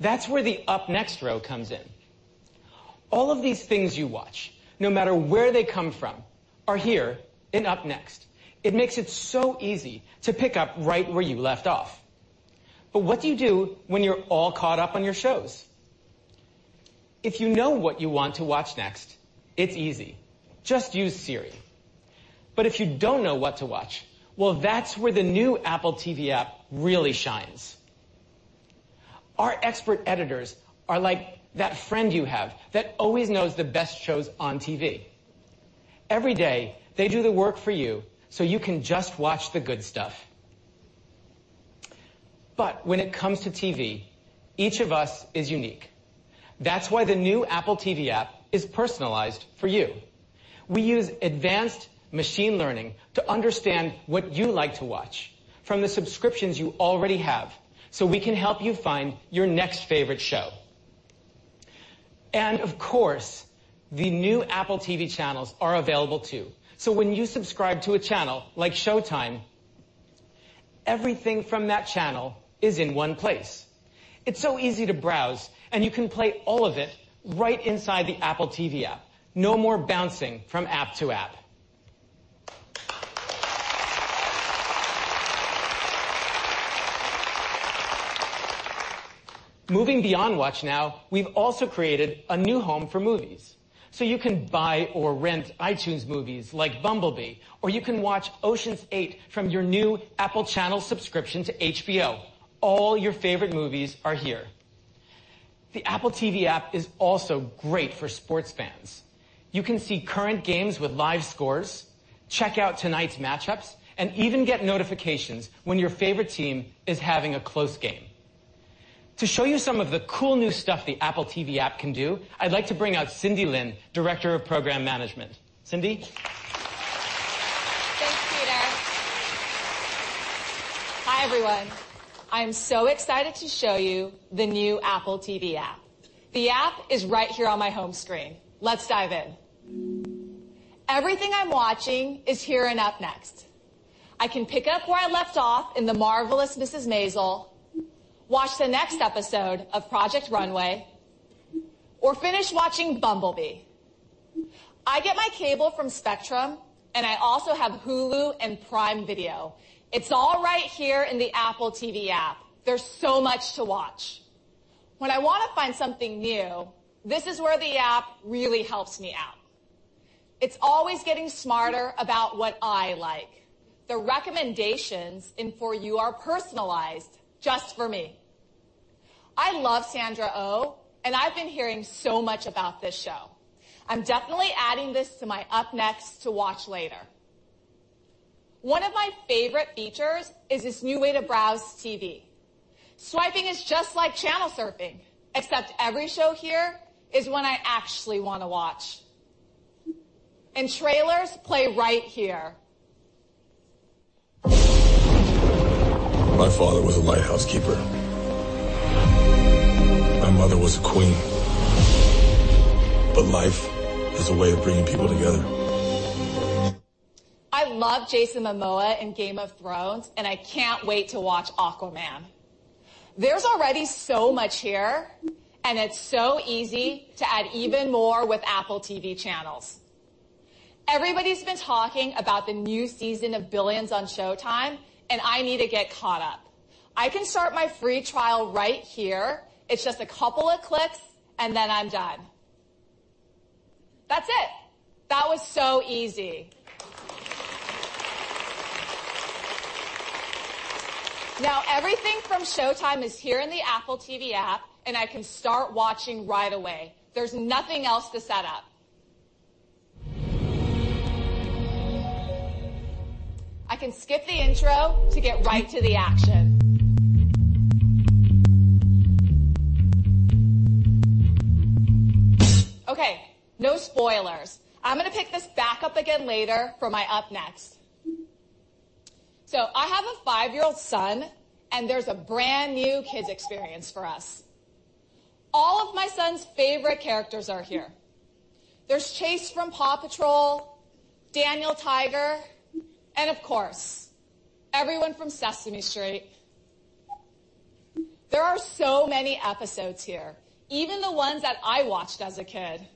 That's where the Up Next row comes in. All of these things you watch, no matter where they come from, are here in Up Next. It makes it so easy to pick up right where you left off. What do you do when you're all caught up on your shows? If you know what you want to watch next, it's easy. Just use Siri. If you don't know what to watch, well, that's where the new Apple TV app really shines. Our expert editors are like that friend you have that always knows the best shows on TV. Every day, they do the work for you can just watch the good stuff. When it comes to TV, each of us is unique. That's why the new Apple TV app is personalized for you. We use advanced machine learning to understand what you like to watch from the subscriptions you already have, we can help you find your next favorite show. Of course, the new Apple TV channels are available too. When you subscribe to a channel, like SHOWTIME, everything from that channel is in one place. It's so easy to browse, you can play all of it right inside the Apple TV app. No more bouncing from app to app. Moving beyond Watch Now, we've also created a new home for movies. You can buy or rent iTunes movies like "Bumblebee," or you can watch "Ocean's 8" from your new Apple Channel subscription to HBO. All your favorite movies are here. The Apple TV app is also great for sports fans. You can see current games with live scores, check out tonight's match-ups, even get notifications when your favorite team is having a close game. To show you some of the cool new stuff the Apple TV app can do, I'd like to bring out Cindy Lin, Director of Program Management. Cindy? Thanks, Peter. Hi, everyone. I'm so excited to show you the new Apple TV app. The app is right here on my home screen. Let's dive in. Everything I'm watching is here in Up Next. I can pick up where I left off in "The Marvelous Mrs. Maisel," watch the next episode of "Project Runway," or finish watching "Bumblebee." I get my cable from Spectrum, I also have Hulu and Prime Video. It's all right here in the Apple TV app. There's so much to watch. When I want to find something new, this is where the app really helps me out. It's always getting smarter about what I like. The recommendations in For You are personalized just for me. I love Sandra Oh, I've been hearing so much about this show. I'm definitely adding this to my Up Next to watch later. One of my favorite features is this new way to browse TV. Swiping is just like channel surfing, except every show here is one I actually want to watch. Trailers play right here. {Video Presentation} I love Jason Momoa in "Game of Thrones," I can't wait to watch "Aquaman." There's already so much here, it's so easy to add even more with Apple TV channels. Everybody's been talking about the new season of "Billions" on Showtime, I need to get caught up. I can start my free trial right here. It's just a couple of clicks, then I'm done. That's it. That was so easy. Now everything from Showtime is here in the Apple TV app, I can start watching right away. There's nothing else to set up. I can skip the intro to get right to the action. Okay, no spoilers. I'm going to pick this back up again later for my Up Next. I have a five-year-old son, there's a brand-new kids experience for us. All of my son's favorite characters are here. There's Chase from "PAW Patrol," Daniel Tiger, and of course, everyone from "Sesame Street." There are so many episodes here, even the ones that I watched as a kid.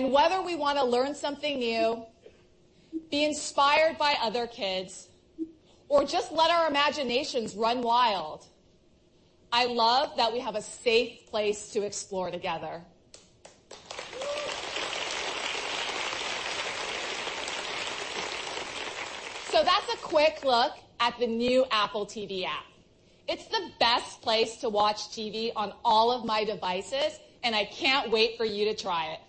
Whether we want to learn something new, be inspired by other kids, or just let our imaginations run wild, I love that we have a safe place to explore together. That's a quick look at the new Apple TV app. It's the best place to watch TV on all of my devices, I can't wait for you to try it.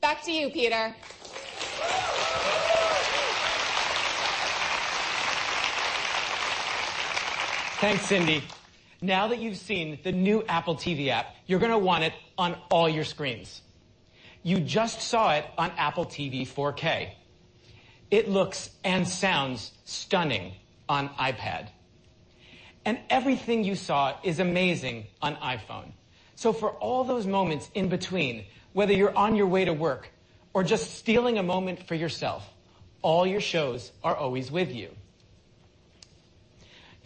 Back to you, Peter. Thanks, Cindy. Now that you've seen the new Apple TV app, you're going to want it on all your screens. You just saw it on Apple TV 4K. It looks and sounds stunning on iPad. Everything you saw is amazing on iPhone. For all those moments in between, whether you're on your way to work or just stealing a moment for yourself, all your shows are always with you.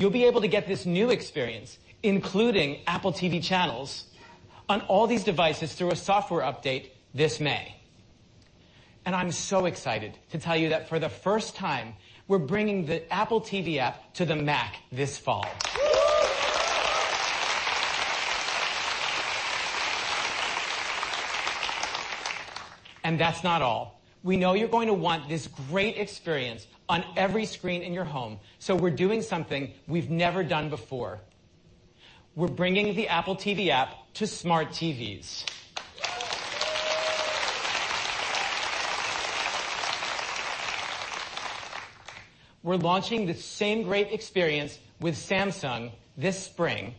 You'll be able to get this new experience, including Apple TV channels, on all these devices through a software update this May. I'm so excited to tell you that for the first time, we're bringing the Apple TV app to the Mac this fall. That's not all. We know you're going to want this great experience on every screen in your home, we're doing something we've never done before. We're bringing the Apple TV app to smart TVs. We're launching the same great experience with Samsung this spring,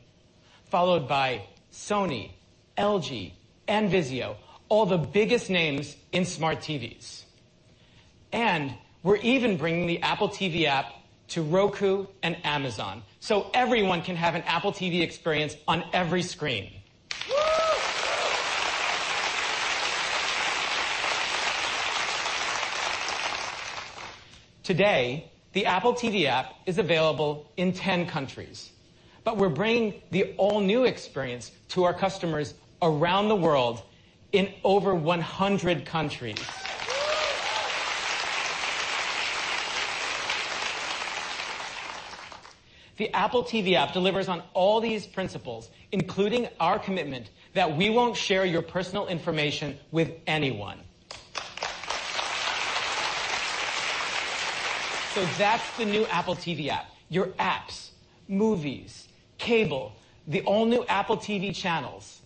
followed by Sony, LG, and VIZIO, all the biggest names in smart TVs. We're even bringing the Apple TV app to Roku and Amazon, so everyone can have an Apple TV experience on every screen. Today, the Apple TV app is available in 10 countries, we're bringing the all-new experience to our customers around the world in over 100 countries. The Apple TV app delivers on all these principles, including our commitment that we won't share your personal information with anyone. That's the new Apple TV app. Your apps, movies, cable, the all-new Apple TV channels,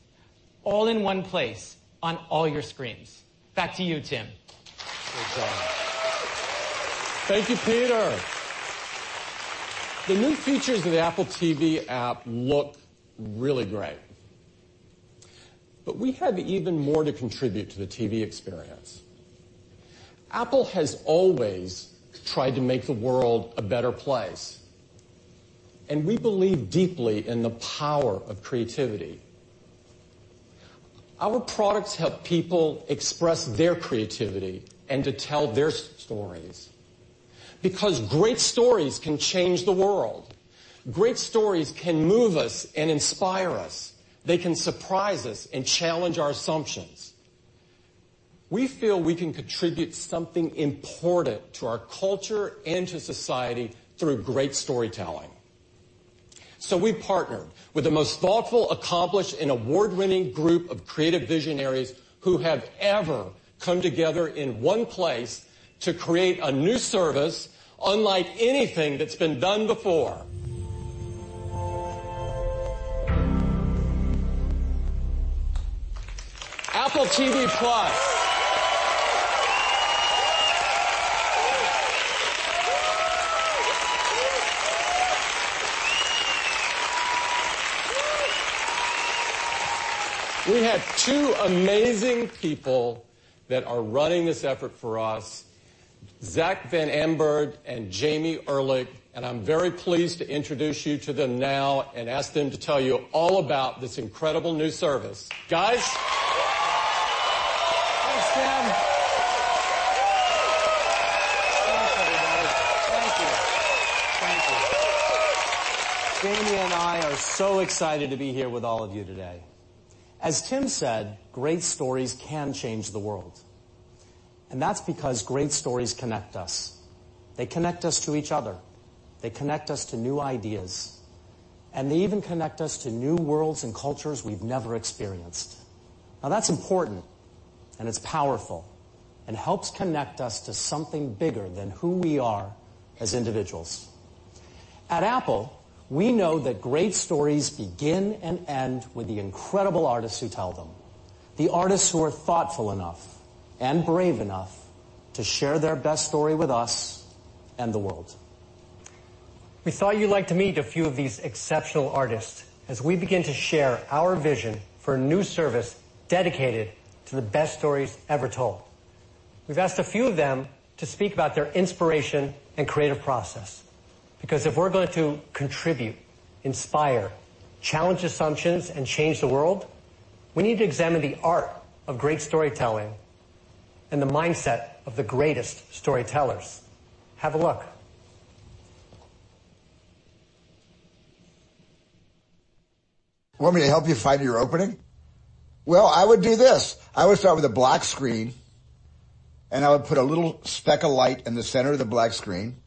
all in one place on all your screens. Back to you, Tim. Great job. Thank you, Peter. The new features of the Apple TV app look really great. We have even more to contribute to the TV experience. Apple has always tried to make the world a better place, and we believe deeply in the power of creativity. Our products help people express their creativity and to tell their stories, because great stories can change the world. Great stories can move us and inspire us. They can surprise us and challenge our assumptions. We feel we can contribute something important to our culture and to society through great storytelling. We partnered with the most thoughtful, accomplished, and award-winning group of creative visionaries who have ever come together in one place to create a new service unlike anything that's been done before. Apple TV+. We have two amazing people that are running this effort for us, Zack Van Amburg and Jamie Erlicht, and I'm very pleased to introduce you to them now and ask them to tell you all about this incredible new service. Guys? Thanks, Tim. Thanks, everybody. Thank you. Thank you. Jamie and I are so excited to be here with all of you today. As Tim said, great stories can change the world, and that's because great stories connect us. They connect us to each other, they connect us to new ideas, and they even connect us to new worlds and cultures we've never experienced. Now that's important, and it's powerful, and helps connect us to something bigger than who we are as individuals. At Apple, we know that great stories begin and end with the incredible artists who tell them, the artists who are thoughtful enough and brave enough to share their best story with us and the world. We thought you'd like to meet a few of these exceptional artists as we begin to share our vision for a new service dedicated to the best stories ever told. We've asked a few of them to speak about their inspiration and creative process, because if we're going to contribute, inspire, challenge assumptions, and change the world, we need to examine the art of great storytelling and the mindset of the greatest storytellers. Have a look. {Presentation} Thank you.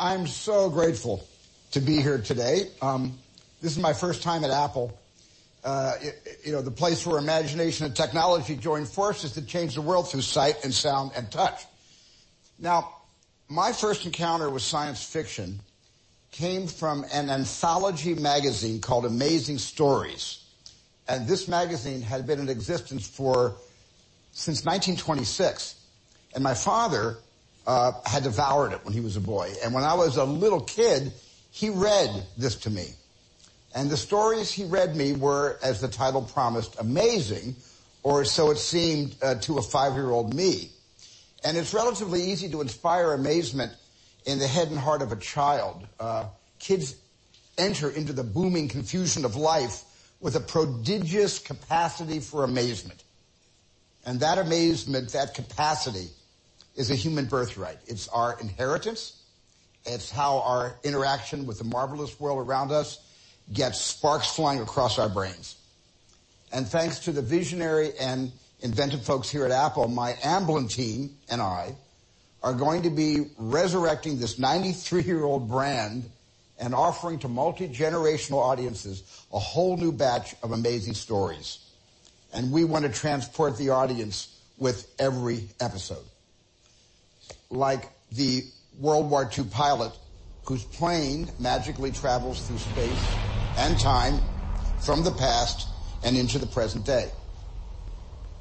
I'm so grateful to be here today. This is my first time at Apple, the place where imagination and technology join forces to change the world through sight and sound and touch. My first encounter with science fiction came from an anthology magazine called Amazing Stories. This magazine had been in existence since 1926. My father had devoured it when he was a boy. When I was a little kid, he read this to me. The stories he read me were, as the title promised, amazing, or so it seemed to a five-year-old me. It's relatively easy to inspire amazement in the head and heart of a child. Kids enter into the booming confusion of life with a prodigious capacity for amazement. That amazement, that capacity, is a human birthright. It's our inheritance. It's how our interaction with the marvelous world around us gets sparks flying across our brains. Thanks to the visionary and inventive folks here at Apple, my Amblin team and I are going to be resurrecting this 93-year-old brand and offering to multi-generational audiences a whole new batch of Amazing Stories. We want to transport the audience with every episode. Like the World War II pilot whose plane magically travels through space and time from the past and into the present day.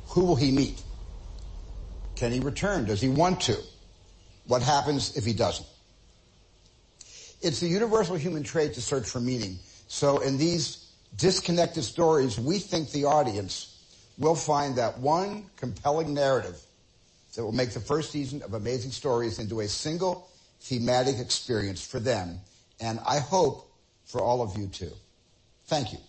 Who will he meet? Can he return? Does he want to? What happens if he doesn't? It's a universal human trait to search for meaning. In these disconnected stories, we think the audience will find that one compelling narrative that will make the first season of Amazing Stories into a single thematic experience for them, and I hope for all of you, too. Thank you.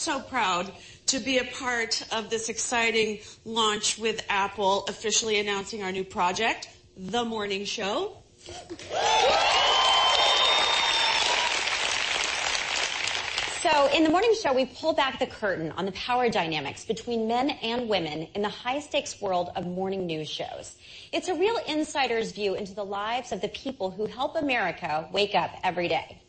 Thank you. Thank you, guys. This is so exciting. Reese and I are so proud to be a part of this exciting launch with Apple officially announcing our new project, "The Morning Show. In "The Morning Show," we pull back the curtain on the power dynamics between men and women in the high-stakes world of morning news shows. It's a real insider's view into the lives of the people who help America wake up every day.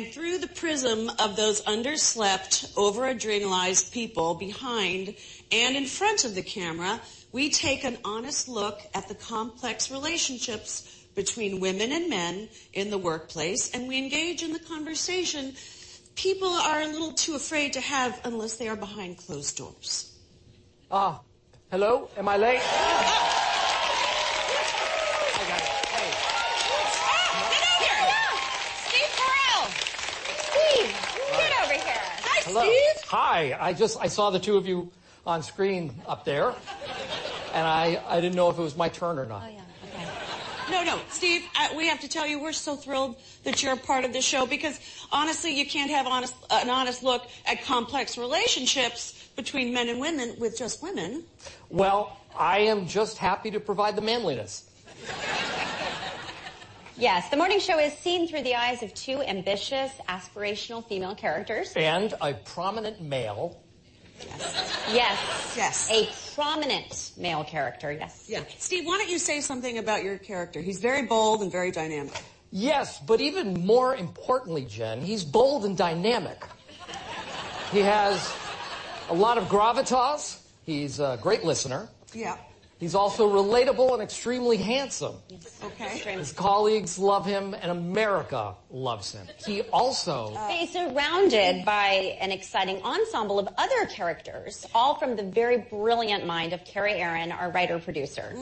Through the prism of those underslept, over-adrenalized people behind and in front of the camera, we take an honest look at the complex relationships between women and men in the workplace, and we engage in the conversation people are a little too afraid to have unless they are behind closed doors. Hello? Am I late? Over here. Hi, Steve. Hello. Hi, I just, I saw the two of you on screen up there and I didn't know if it was my turn or not. Oh, yeah. Okay. No, no, Steve, we have to tell you, we're so thrilled that you're a part of this show because honestly, you can't have an honest look at complex relationships between men and women with just women. Well, I am just happy to provide the manliness. Yes. The Morning Show is seen through the eyes of two ambitious, aspirational female characters. A prominent male. Yes. Yes. Yes. A prominent male character. Yes. Yeah. Steve, why don't you say something about your character? He's very bold and very dynamic. Yes. Even more importantly, Jen, he's bold and dynamic. He has a lot of gravitas. He's a great listener. Yeah. He's also relatable and extremely handsome. Okay. Extremely. His colleagues love him, and America loves him. They're surrounded by an exciting ensemble of other characters, all from the very brilliant mind of Kerry Ehrin, our writer-producer.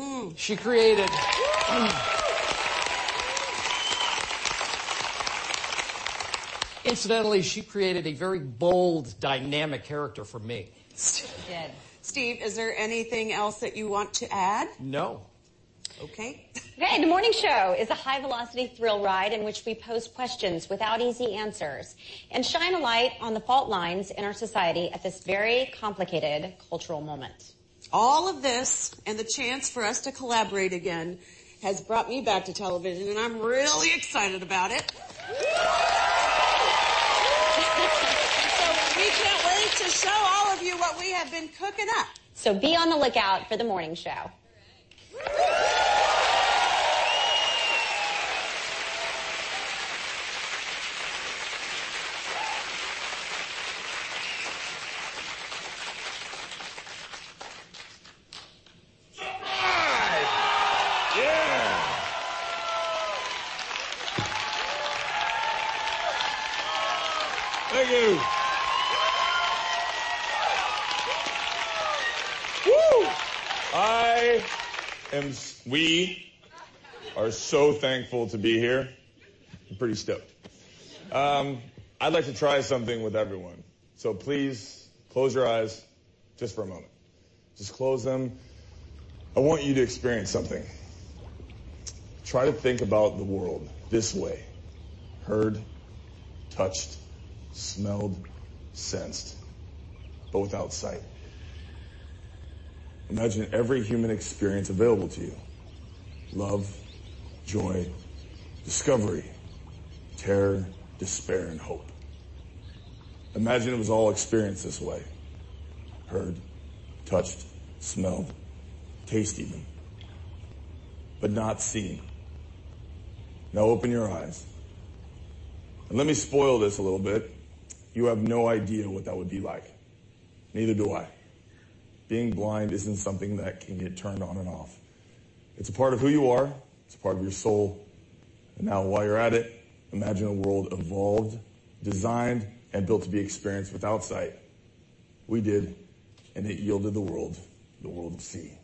Incidentally, she created a very bold, dynamic character for me. She did. Steve, is there anything else that you want to add? No. Okay. The Morning Show" is a high-velocity thrill ride in which we pose questions without easy answers and shine a light on the fault lines in our society at this very complicated cultural moment. All of this, and the chance for us to collaborate again, has brought me back to television, and I'm really excited about it. We can't wait to show all of you what we have been cooking up. Be on the lookout for "The Morning Show. Surprise. Yeah. Thank you. Woo. We are so thankful to be here. I'm pretty stoked. I'd like to try something with everyone. Please close your eyes just for a moment. Just close them. I want you to experience something. Try to think about the world this way: heard, touched, smelled, sensed, but without sight. Imagine every human experience available to you, love, joy, discovery, terror, despair, and hope. Imagine it was all experienced this way, heard, touched, smelled, taste even, but not seeing. Now open your eyes, and let me spoil this a little bit. You have no idea what that would be like. Neither do I. Being blind isn't something that can get turned on and off. It's a part of who you are. It's a part of your soul. Now, while you're at it, imagine a world evolved, designed, and built to be experienced without sight. We did, and it yielded the world, the world of "See.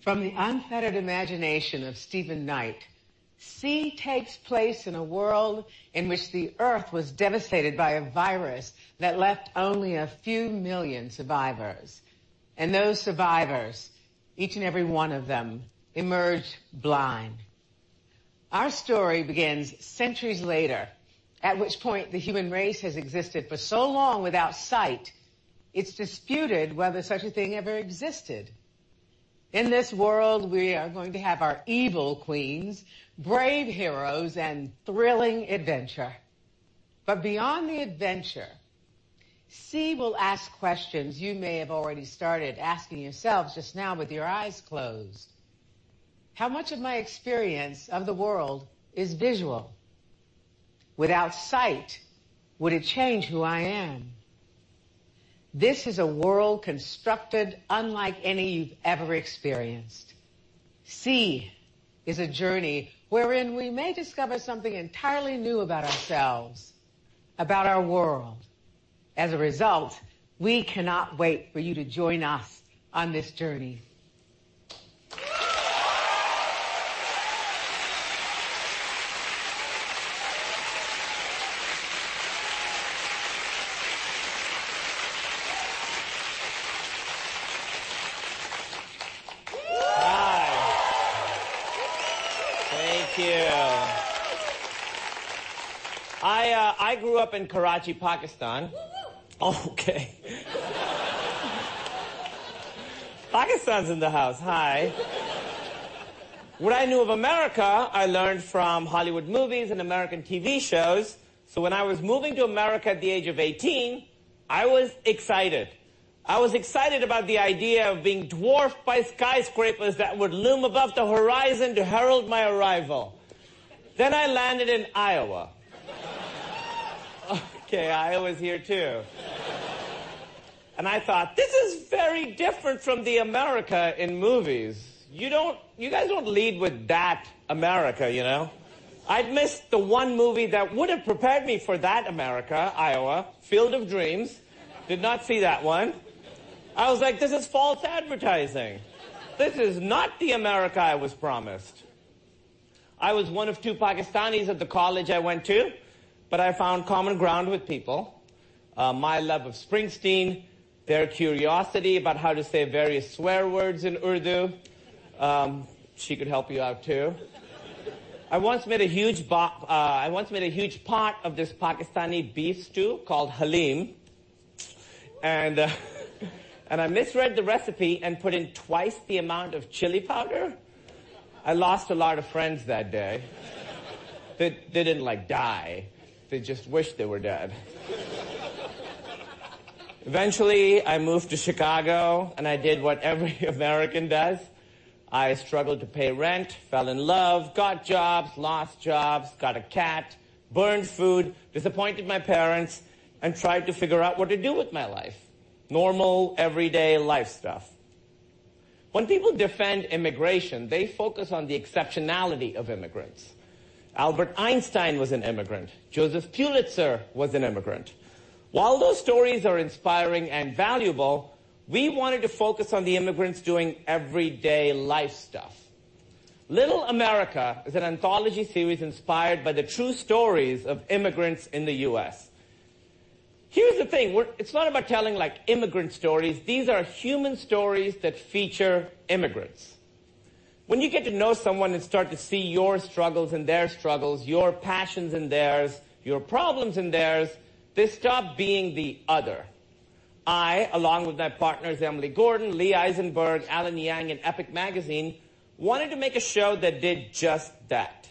From the unfettered imagination of Steven Knight, "See" takes place in a world in which the Earth was devastated by a virus that left only a few million survivors. Those survivors, each and every one of them, emerged blind. Our story begins centuries later, at which point the human race has existed for so long without sight, it's disputed whether such a thing ever existed. In this world, we are going to have our evil queens, brave heroes, and thrilling adventure. Beyond the adventure, "See" will ask questions you may have already started asking yourselves just now with your eyes closed. How much of my experience of the world is visual? Without sight, would it change who I am? This is a world constructed unlike any you've ever experienced. "See" is a journey wherein we may discover something entirely new about ourselves, about our world. As a result, we cannot wait for you to join us on this journey. Hi. Thank you. I grew up in Karachi, Pakistan. Woo-woo. Okay. Pakistan's in the house. Hi. What I knew of America, I learned from Hollywood movies and American TV shows. When I was moving to America at the age of 18, I was excited. I was excited about the idea of being dwarfed by skyscrapers that would loom above the horizon to herald my arrival. I landed in Iowa. Okay, Iowa's here, too. I thought, "This is very different from the America in movies." You guys don't lead with that America. I'd missed the one movie that would have prepared me for that America, Iowa, "Field of Dreams," did not see that one. I was like, "This is false advertising. This is not the America I was promised." I was one of two Pakistanis at the college I went to, but I found common ground with people. My love of Springsteen, their curiosity about how to say various swear words in Urdu. She could help you out, too. I once made a huge pot of this Pakistani beef stew called haleem, and I misread the recipe and put in twice the amount of chili powder. I lost a lot of friends that day. They didn't die. They just wished they were dead. Eventually, I moved to Chicago. I did what every American does. I struggled to pay rent, fell in love, got jobs, lost jobs, got a cat, burned food, disappointed my parents, and tried to figure out what to do with my life. Normal, everyday life stuff. When people defend immigration, they focus on the exceptionality of immigrants. Albert Einstein was an immigrant. Joseph Pulitzer was an immigrant. While those stories are inspiring and valuable, we wanted to focus on the immigrants doing everyday life stuff. "Little America" is an anthology series inspired by the true stories of immigrants in the U.S. Here's the thing, it's not about telling immigrant stories. These are human stories that feature immigrants. When you get to know someone and start to see your struggles and their struggles, your passions and theirs, your problems and theirs, they stop being the other. I, along with my partners, Emily Gordon, Lee Eisenberg, Alan Yang, and Epic Magazine, wanted to make a show that did just that.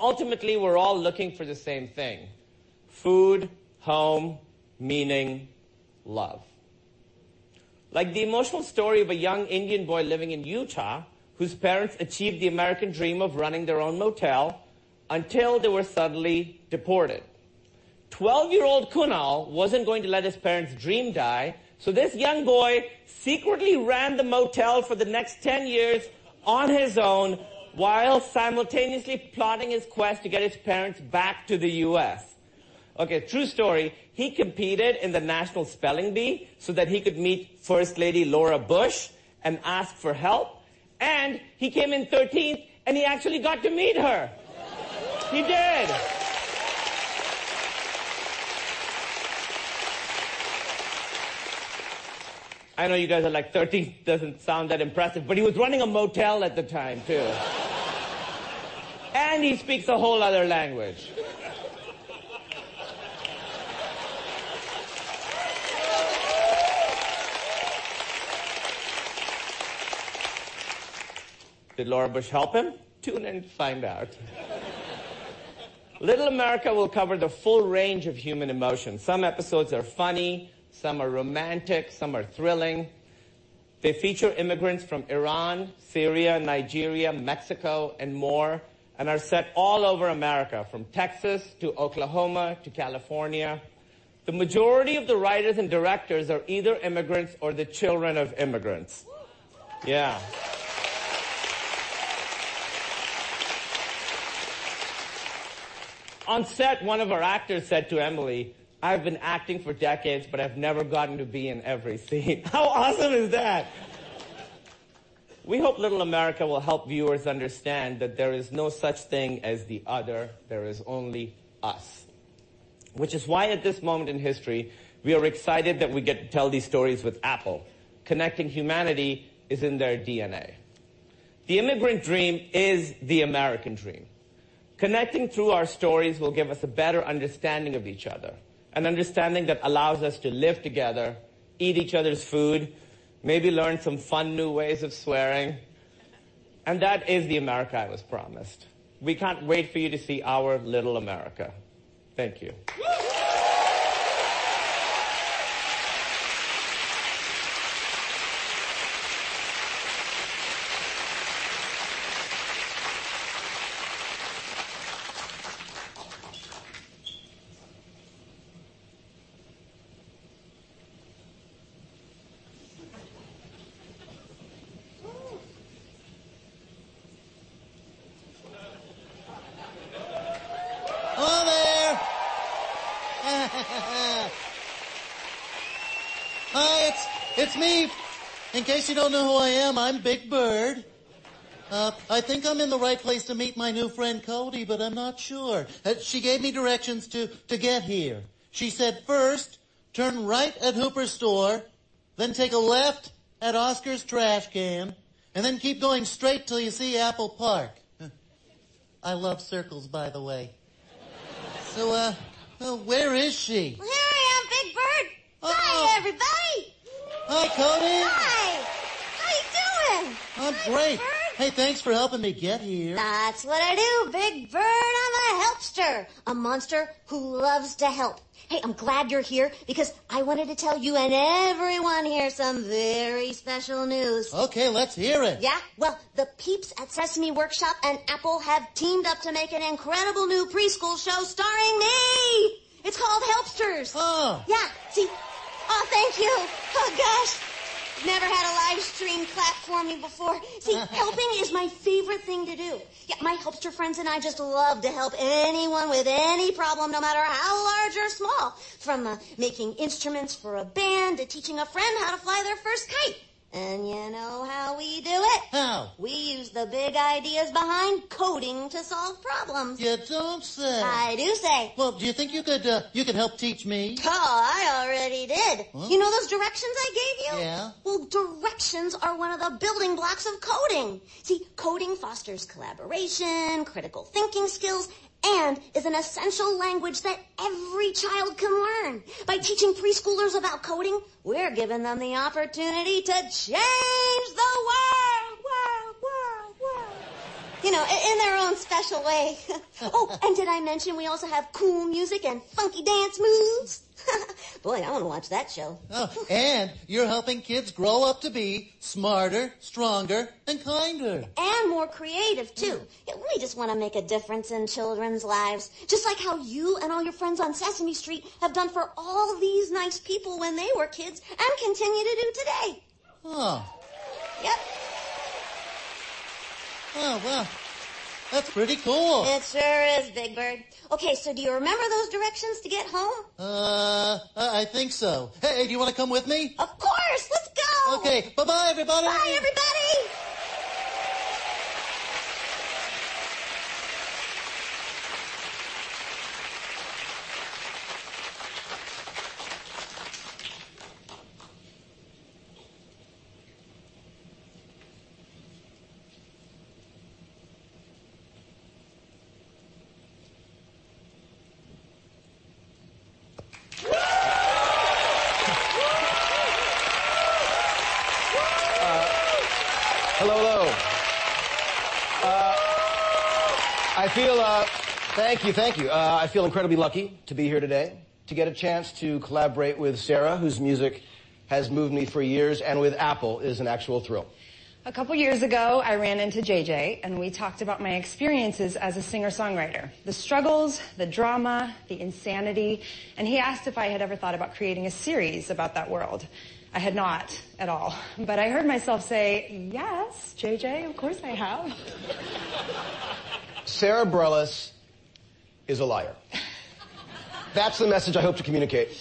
Ultimately, we're all looking for the same thing: food, home, meaning, love. Like the emotional story of a young Indian boy living in Utah, whose parents achieved the American dream of running their own motel until they were suddenly deported. Twelve-year-old Kunal wasn't going to let his parents' dream die, so this young boy secretly ran the motel for the next 10 years on his own while simultaneously plotting his quest to get his parents back to the U.S. Okay, true story, he competed in the National Spelling Bee so that he could meet First Lady Laura Bush and ask for help, and he came in 13th, and he actually got to meet her. He did. I know you guys are like, "13th doesn't sound that impressive," but he was running a motel at the time, too. He speaks a whole other language. Did Laura Bush help him? Tune in to find out. "Little America" will cover the full range of human emotion. Some episodes are funny, some are romantic, some are thrilling. They feature immigrants from Iran, Syria, Nigeria, Mexico, and more, and are set all over America, from Texas to Oklahoma to California. The majority of the writers and directors are either immigrants or the children of immigrants. Yeah. On set, one of our actors said to Emily, "I've been acting for decades, but I've never gotten to be in every scene." How awesome is that? We hope "Little America" will help viewers understand that there is no such thing as the other. There is only us, which is why at this moment in history, we are excited that we get to tell these stories with Apple. Connecting humanity is in their DNA. The immigrant dream is the American dream. Connecting through our stories will give us a better understanding of each other, an understanding that allows us to live together, eat each other's food, maybe learn some fun new ways of swearing, and that is the America I was promised. We can't wait for you to see our "Little America." Thank you. Hello there. Hi, it's me. In case you don't know who I am, I'm Big Bird. I think I'm in the right place to meet my new friend Cody, but I'm not sure. She gave me directions to get here. She said, "First, turn right at Hooper's Store, then take a left at Oscar's trash can, and then keep going straight till you see Apple Park." I love circles, by the way. Where is she? Here I am, Big Bird. Oh. Hi, everybody. Hi, Cody. Hi. How are you doing? I'm great. Hi, Big Bird. Hey, thanks for helping me get here. That's what I do, Big Bird. I'm a Helpster, a monster who loves to help. Hey, I'm glad you're here because I wanted to tell you and everyone here some very special news. Okay, let's hear it. Yeah? Well, the peeps at Sesame Workshop and Apple have teamed up to make an incredible new preschool show starring me. It's called "Helpsters. Oh. Yeah. Oh, thank you. Oh, gosh. Never had a live stream clap for me before. See, helping is my favorite thing to do. Yeah, my Helpsters friends and I just love to help anyone with any problem, no matter how large or small, from making instruments for a band to teaching a friend how to fly their first kite. You know how we do it? How? We use the big ideas behind coding to solve problems. You don't say. I do say. Well, do you think you could help teach me? Oh, I already did. What? You know those directions I gave you? Yeah. Well, directions are one of the building blocks of coding. Coding fosters collaboration, critical thinking skills, and is an essential language that every child can learn. By teaching preschoolers about coding, we're giving them the opportunity to change the world. You know, in their own special way. Oh, did I mention we also have cool music and funky dance moves? Boy, I want to watch that show. Oh, you're helping kids grow up to be smarter, stronger, and kinder. More creative, too. We just want to make a difference in children's lives, just like how you and all your friends on Sesame Street have done for all these nice people when they were kids, and continue to do today. Oh. Yep. Oh, well, that's pretty cool. It sure is, Big Bird. Do you remember those directions to get home? I think so. Do you want to come with me? Of course. Let's go. Bye bye, everybody. Bye, everybody. Hello, hello. Thank you, thank you. I feel incredibly lucky to be here today, to get a chance to collaborate with Sara, whose music has moved me for years, and with Apple, is an actual thrill. A couple of years ago, I ran into J.J., and we talked about my experiences as a singer-songwriter. The struggles, the drama, the insanity, and he asked if I had ever thought about creating a series about that world. I had not at all, but I heard myself say, "Yes, J.J., of course, I have. Sara Bareilles is a liar. That's the message I hope to communicate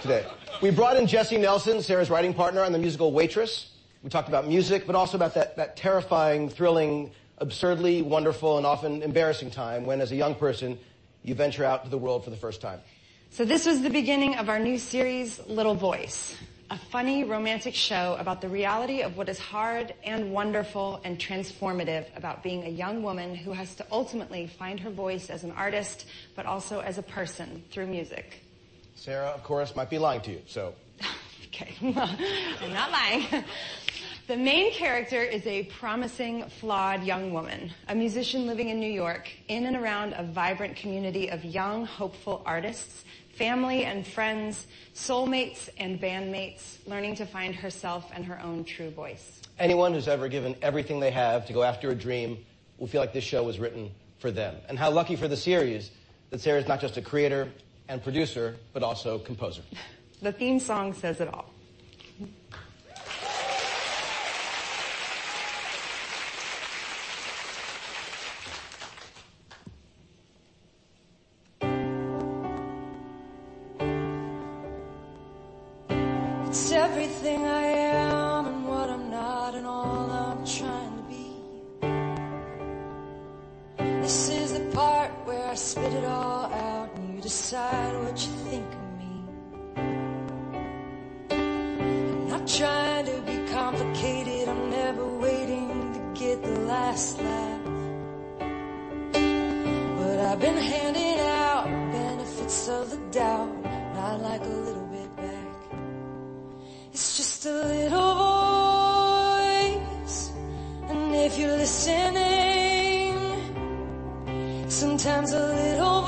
today. We brought in Jessie Nelson, Sara's writing partner on the musical Waitress. We talked about music, but also about that terrifying, thrilling, absurdly wonderful, and often embarrassing time when, as a young person, you venture out into the world for the first time. this was the beginning of our new series, Little Voice, a funny, romantic show about the reality of what is hard and wonderful and transformative about being a young woman who has to ultimately find her voice as an artist, but also as a person through music. Sara, of course, might be lying to you. Okay. Well, I'm not lying. The main character is a promising, flawed young woman, a musician living in New York, in and around a vibrant community of young, hopeful artists, family and friends, soulmates and bandmates, learning to find herself and her own true voice. Anyone who's ever given everything they have to go after a dream will feel like this show was written for them. How lucky for the series that Sara's not just a creator and producer, but also composer. The theme song says it all. It's everything I am, and what I'm not, and all I'm trying to be. This is the part where I spit it all out, and you decide what you think of me. I'm not trying to be complicated. I'm never waiting to get the last laugh. I've been handing out benefits of the doubt, and I'd like a little bit back. It's just a Little Voice. If you're listening. Sometimes a Little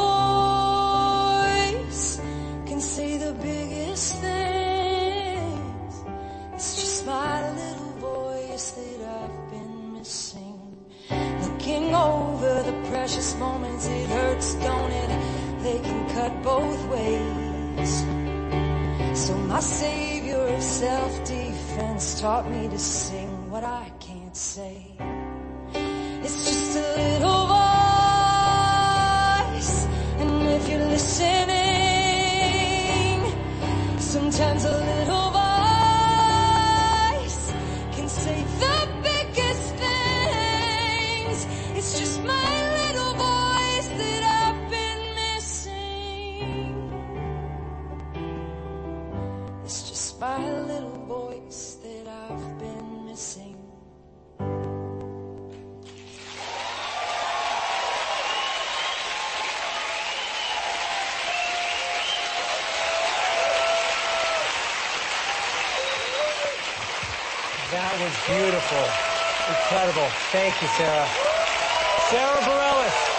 Voice can say the biggest things. It's just my Little Voice that I've been missing. Looking over the precious moments, it hurts, don't it? They can cut both ways. My savior of self-defense taught me to sing what I can't say. It's just a Little Voice. If you're listening. Sometimes a Little Voice can say the biggest things. It's just my Little Voice that I've been missing. It's just my Little Voice that I've been missing. That was beautiful. Incredible. Thank you, Sara. Sara Bareilles.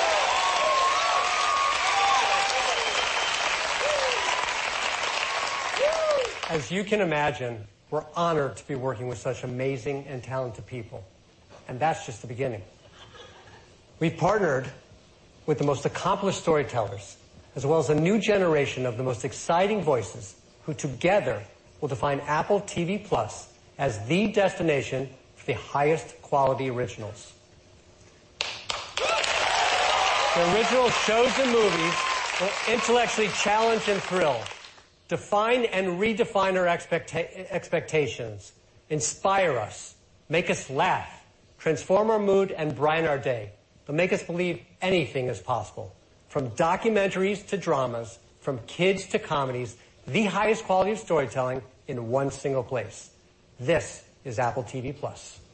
As you can imagine, we're honored to be working with such amazing and talented people. That's just the beginning. We've partnered with the most accomplished storytellers, as well as a new generation of the most exciting voices, who together will define Apple TV+ as the destination for the highest quality originals. The original shows and movies will intellectually challenge and thrill, define and redefine our expectations, inspire us, make us laugh, transform our mood, and brighten our day, but make us believe anything is possible. From documentaries to dramas, from kids to comedies, the highest quality of storytelling in one single place. This is Apple TV+. {Presentation}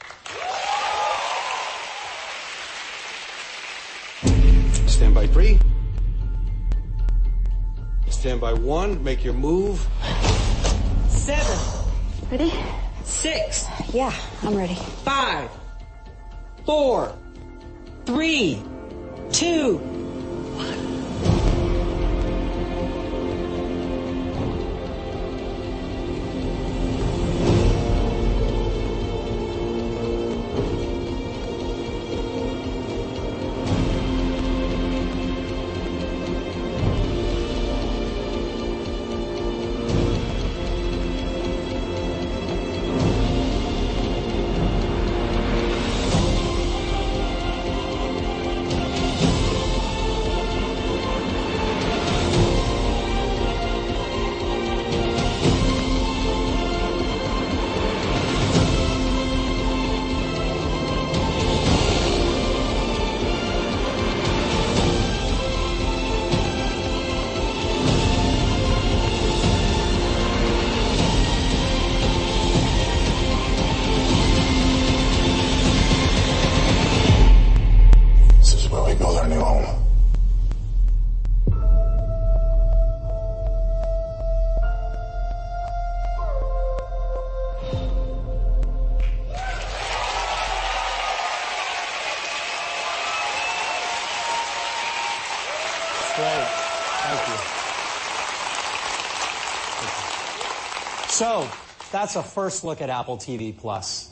T That's great. Thank you. That's a first look at Apple TV+.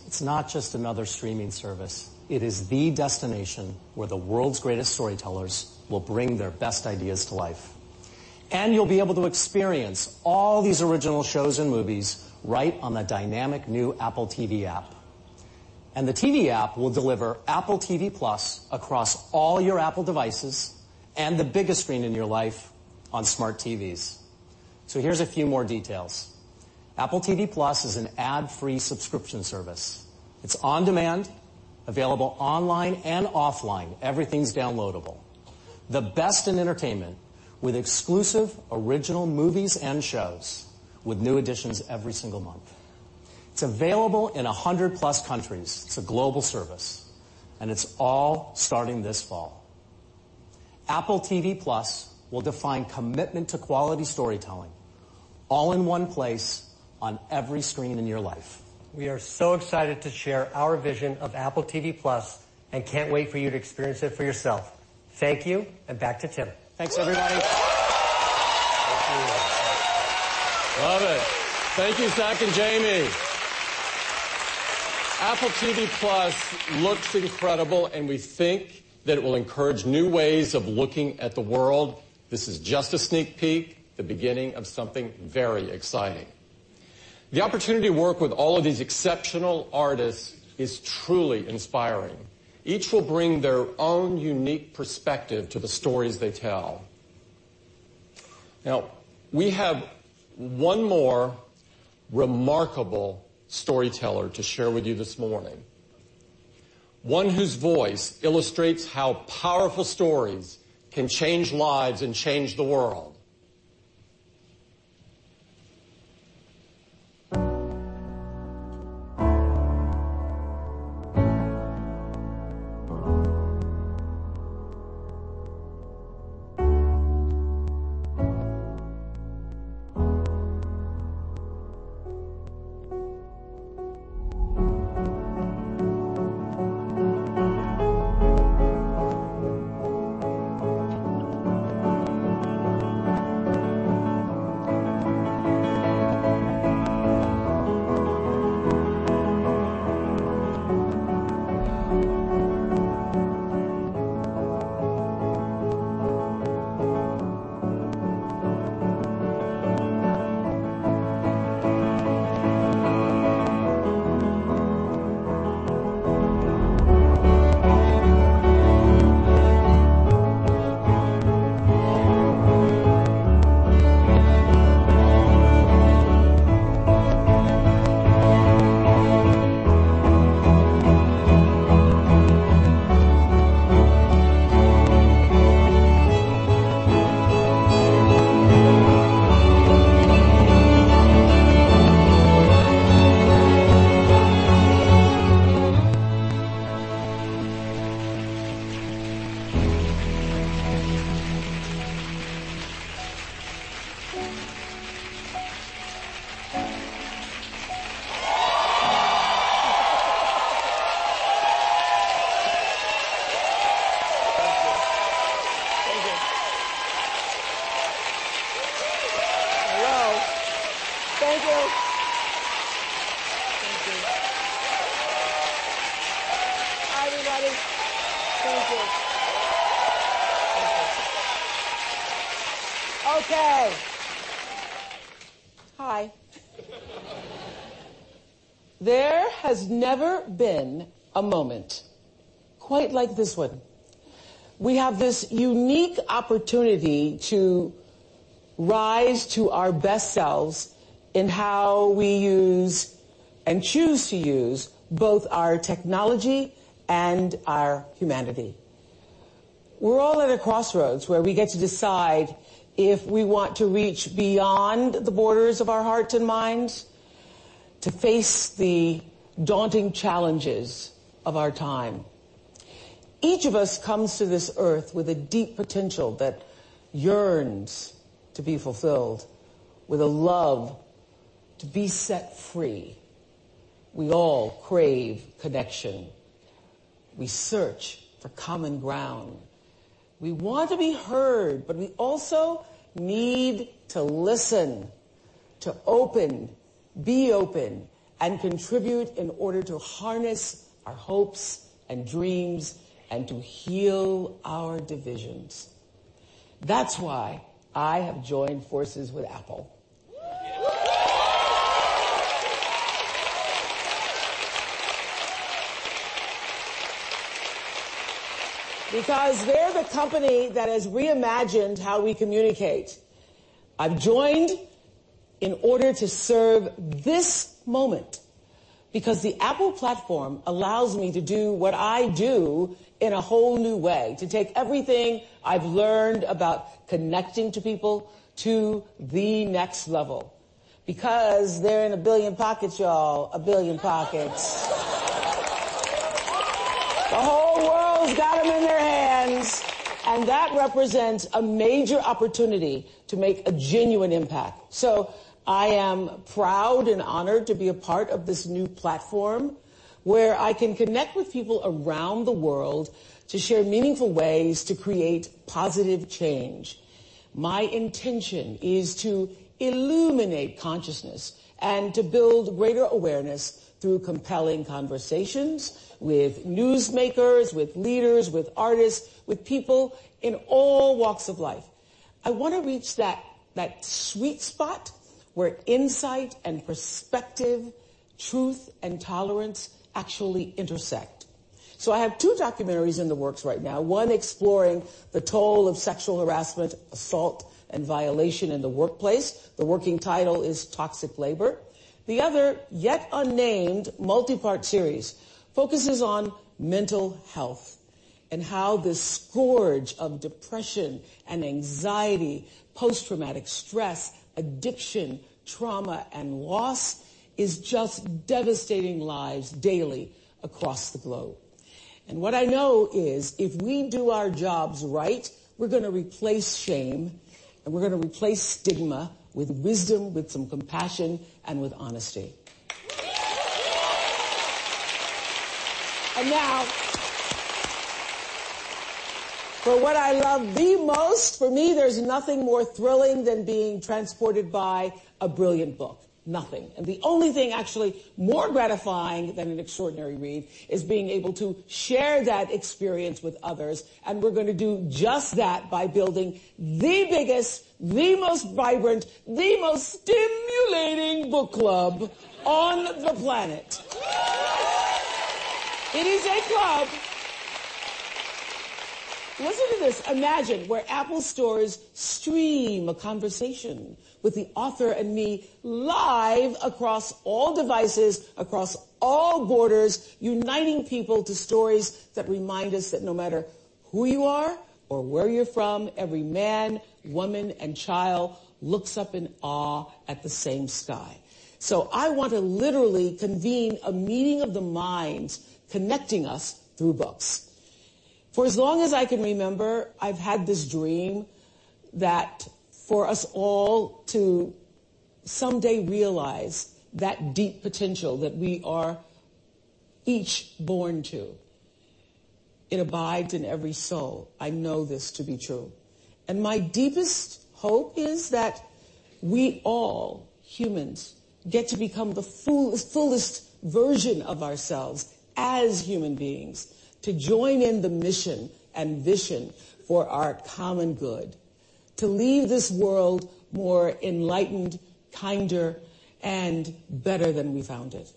It's not just another streaming service. It is the destination where the world's greatest storytellers will bring their best ideas to life, and you'll be able to experience all these original shows and movies right on the dynamic new Apple TV app. The TV app will deliver Apple TV+ across all your Apple devices and the biggest screen in your life on smart TVs. Here's a few more details. Apple TV+ is an ad-free subscription service. It's on demand, available online and offline. Everything's downloadable. The best in entertainment with exclusive original movies and shows with new additions every single month. It's available in 100-plus countries. It's a global service. It's all starting this fall. Apple TV+ will define commitment to quality storytelling, all in one place on every screen in your life. We are so excited to share our vision of Apple TV+ and can't wait for you to experience it for yourself. Thank you, and back to Tim. Thanks, everybody. Love it. Thank you, Zack and Jamie. Apple TV+ looks incredible, and we think that it will encourage new ways of looking at the world. This is just a sneak peek, the beginning of something very exciting. The opportunity to work with all of these exceptional artists is truly inspiring. Each will bring their own unique perspective to the stories they tell. Now, we have one more remarkable storyteller to share with you this morning, one whose voice illustrates how powerful stories can change lives and change the world. Thank you. Thank you. Hello. Thank you. Thank you. Hi, everybody. Thank you. Okay. Hi. There has never been a moment quite like this one. We have this unique opportunity to rise to our best selves in how we use and choose to use both our technology and our humanity. We're all at a crossroads where we get to decide if we want to reach beyond the borders of our hearts and minds to face the daunting challenges of our time. Each of us comes to this Earth with a deep potential that yearns to be fulfilled, with a love to be set free. We all crave connection. We search for common ground. We want to be heard, but we also need to listen, to open, be open, and contribute in order to harness our hopes and dreams and to heal our divisions. That's why I have joined forces with Apple. They're the company that has reimagined how we communicate. I've joined in order to serve this moment because the Apple platform allows me to do what I do in a whole new way, to take everything I've learned about connecting to people to the next level. They're in 1 billion pockets, y'all, 1 billion pockets. The whole world's got them in their hands, and that represents a major opportunity to make a genuine impact. I am proud and honored to be a part of this new platform where I can connect with people around the world to share meaningful ways to create positive change. My intention is to illuminate consciousness and to build greater awareness through compelling conversations with newsmakers, with leaders, with artists, with people in all walks of life. I want to reach that sweet spot where insight and perspective, truth and tolerance actually intersect. I have two documentaries in the works right now, one exploring the toll of sexual harassment, assault, and violation in the workplace. The working title is "Toxic Labor." The other, yet unnamed, multi-part series focuses on mental health and how the scourge of depression and anxiety, post-traumatic stress, addiction, trauma, and loss is just devastating lives daily across the globe. What I know is if we do our jobs right, we're going to replace shame, and we're going to replace stigma with wisdom, with some compassion, and with honesty. Now, for what I love the most, for me, there's nothing more thrilling than being transported by a brilliant book. Nothing. The only thing actually more gratifying than an extraordinary read is being able to share that experience with others. We're going to do just that by building the biggest, the most vibrant, the most stimulating book club on the planet. It is a club. Listen to this. Imagine where Apple stores stream a conversation with the author and me live across all devices, across all borders, uniting people to stories that remind us that no matter who you are or where you're from, every man, woman, and child looks up in awe at the same sky. I want to literally convene a meeting of the minds connecting us through books. For as long as I can remember, I've had this dream that for us all to someday realize that deep potential that we are each born to. It abides in every soul. I know this to be true. My deepest hope is that we all, humans, get to become the fullest version of ourselves as human beings, to join in the mission and vision for our common good, to leave this world more enlightened, kinder, and better than we found it.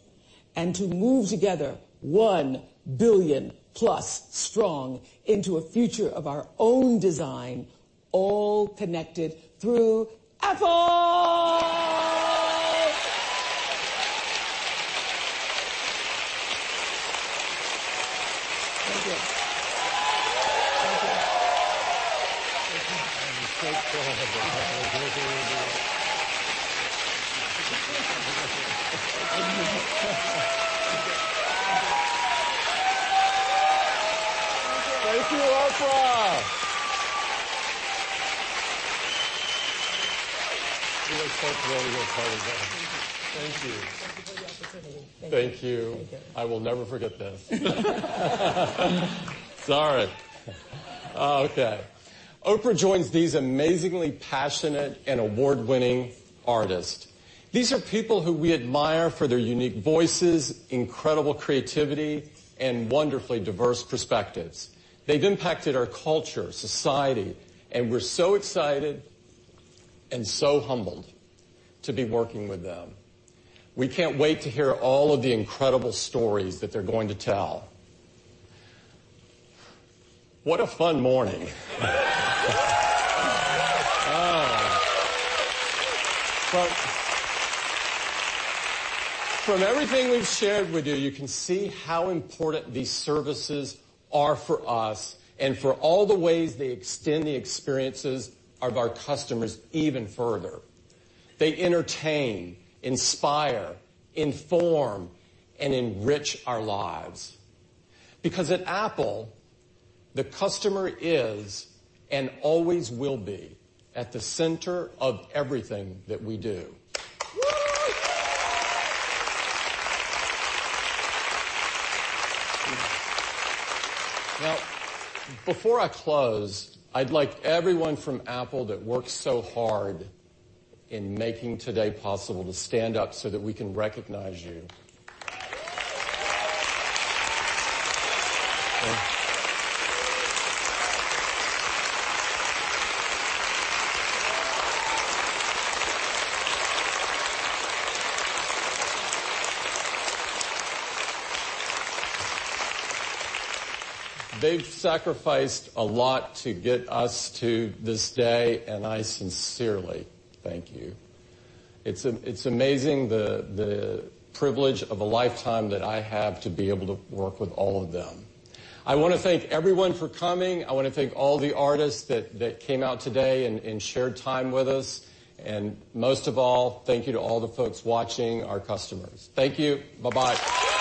To move together, 1 billion plus strong, into a future of our own design, all connected through Apple. Thank you. Thank you. Thank you. I am so proud of you. Thank you. We're here with you. Thank you. Thank you. Thank you. Thank you. Thank you, Oprah. We are so thrilled you're part of this. Thank you. Thank you. Thank you for the opportunity. Thank you. Thank you. Thank you. I will never forget this. Sorry. Okay. Oprah joins these amazingly passionate and award-winning artists. These are people who we admire for their unique voices, incredible creativity, and wonderfully diverse perspectives. They've impacted our culture, society, and we're so excited and so humbled to be working with them. We can't wait to hear all of the incredible stories that they're going to tell. What a fun morning. From everything we've shared with you can see how important these services are for us and for all the ways they extend the experiences of our customers even further. They entertain, inspire, inform, and enrich our lives. Because at Apple, the customer is and always will be at the center of everything that we do. Before I close, I'd like everyone from Apple that worked so hard in making today possible to stand up so that we can recognize you. They've sacrificed a lot to get us to this day, and I sincerely thank you. It's amazing the privilege of a lifetime that I have to be able to work with all of them. I want to thank everyone for coming. I want to thank all the artists that came out today and shared time with us. Most of all, thank you to all the folks watching, our customers. Thank you. Bye-bye.